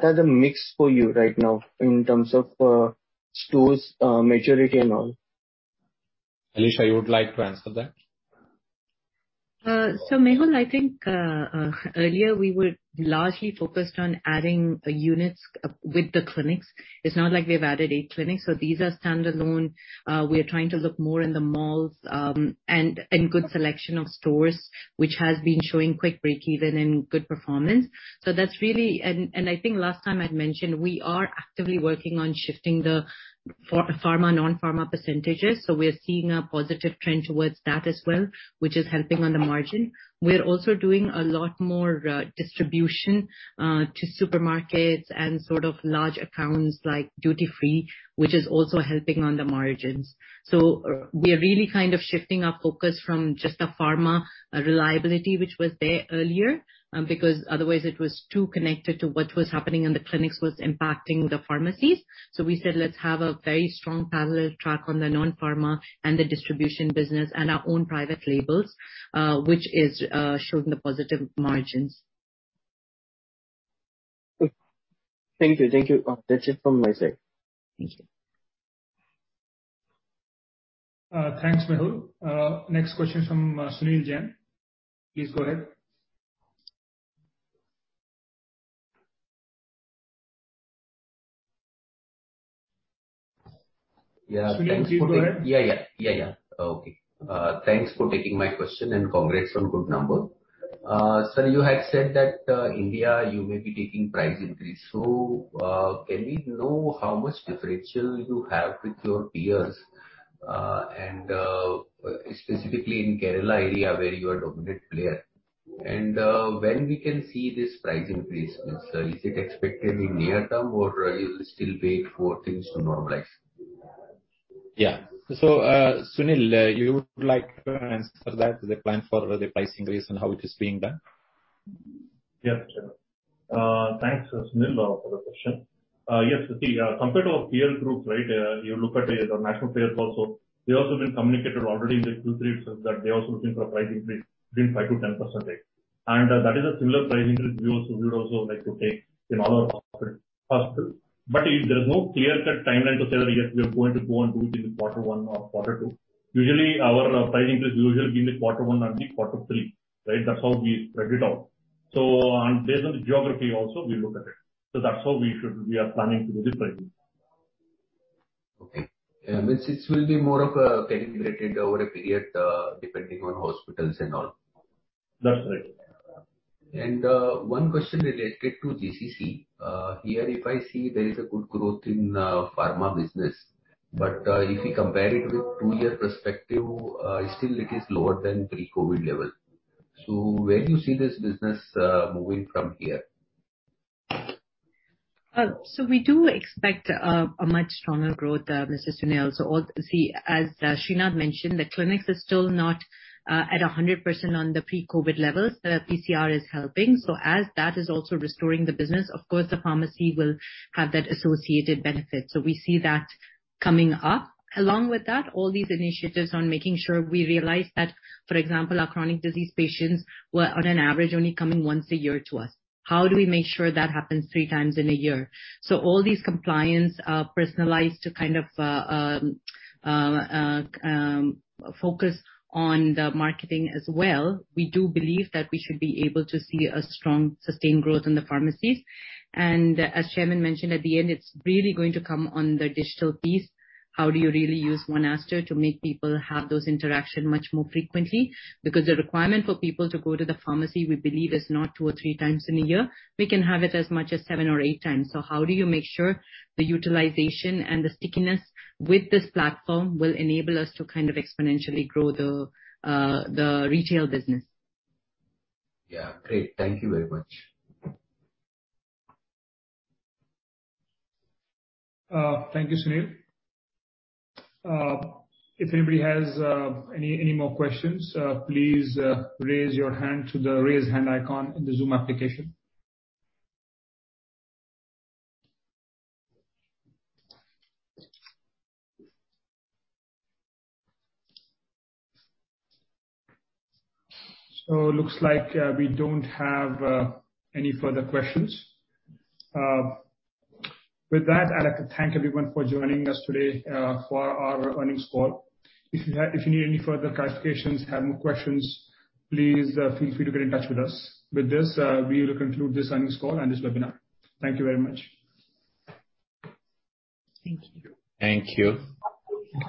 Speaker 15: are the mix for you right now in terms of stores, maturity and all?
Speaker 2: Alisha, you would like to answer that?
Speaker 3: Mehul, I think earlier we were largely focused on adding units with the clinics. It's not like we have added 8 clinics. These are standalone. We are trying to look more in the malls and good selection of stores which has been showing quick break-even and good performance. That's really. I think last time I'd mentioned we are actively working on shifting the pharma/non-pharma percentages, so we are seeing a positive trend towards that as well, which is helping on the margin. We're also doing a lot more distribution to supermarkets and sort of large accounts like duty-free, which is also helping on the margins. We are really kind of shifting our focus from just a pharma reliability, which was there earlier, because otherwise it was too connected to what was happening in the clinics was impacting the pharmacies. We said, let's have a very strong parallel track on the non-pharma and the distribution business and our own private labels, which is, showing the positive margins.
Speaker 15: Thank you. That's it from my side. Thank you.
Speaker 1: Thanks, Mehul. Next question from Sunil Jain. Please go ahead.
Speaker 16: Yeah. Thanks for taking.
Speaker 1: Sunil, do go ahead.
Speaker 16: Yeah. Okay. Thanks for taking my question, and congrats on good number. Sir, you had said that India you may be taking price increase. Can we know how much differential you have with your peers? Specifically in Kerala area where you are dominant player. When can we see this price increase, sir. Is it expected in near term, or you will still wait for things to normalize?
Speaker 2: Yeah. Sunil, you would like to answer that, the plan for the price increase and how it is being done?
Speaker 9: Yes, sure. Thanks, Sunil, for the question. Yes, see, compared to our peer group, right, you look at the national players also, they also been communicated already in the Q3 itself that they're also looking for a price increase between 5%-10%, right? That is a similar price increase we also would like to take in all our hospitals. If there is no clear-cut timeline to say that, yes, we are going to go and do it in quarter one or quarter two. Usually our price increase be in the quarter one and the quarter three, right? That's how we spread it out. Based on the geography also, we look at it. That's how we are planning to do the pricing.
Speaker 16: Okay. This will be more of a calibrated over a period, depending on hospitals and all.
Speaker 9: That's right.
Speaker 16: One question related to GCC. Here, if I see, there is a good growth in pharma business. If we compare it with two-year perspective, still it is lower than pre-COVID level. Where do you see this business moving from here?
Speaker 3: We do expect a much stronger growth, Mr. Sunil. See, as Sreenath mentioned, the clinics are still not at 100% on the pre-COVID levels. PCR is helping, so as that is also restoring the business, of course, the pharmacy will have that associated benefit. We see that coming up. Along with that, all these initiatives on making sure we realize that, for example, our chronic disease patients were on an average only coming once a year to us. How do we make sure that happens three times in a year? All these compliance, personalized to kind of focus on the marketing as well. We do believe that we should be able to see a strong sustained growth in the pharmacies. As chairman mentioned at the end, it's really going to come on the digital piece. How do you really use One Aster to make people have those interaction much more frequently? Because the requirement for people to go to the pharmacy, we believe, is not two or three times in a year. We can have it as much as seven or eight times. How do you make sure the utilization and the stickiness with this platform will enable us to kind of exponentially grow the retail business?
Speaker 16: Yeah. Great. Thank you very much.
Speaker 1: Thank you, Sunil. If anybody has any more questions, please raise your hand through the Raise Hand icon in the Zoom application. Looks like we don't have any further questions. With that, I'd like to thank everyone for joining us today for our earnings call. If you need any further clarifications or have more questions, please feel free to get in touch with us. With this, we will conclude this earnings call and this webinar. Thank you very much.
Speaker 3: Thank you.
Speaker 2: Thank you.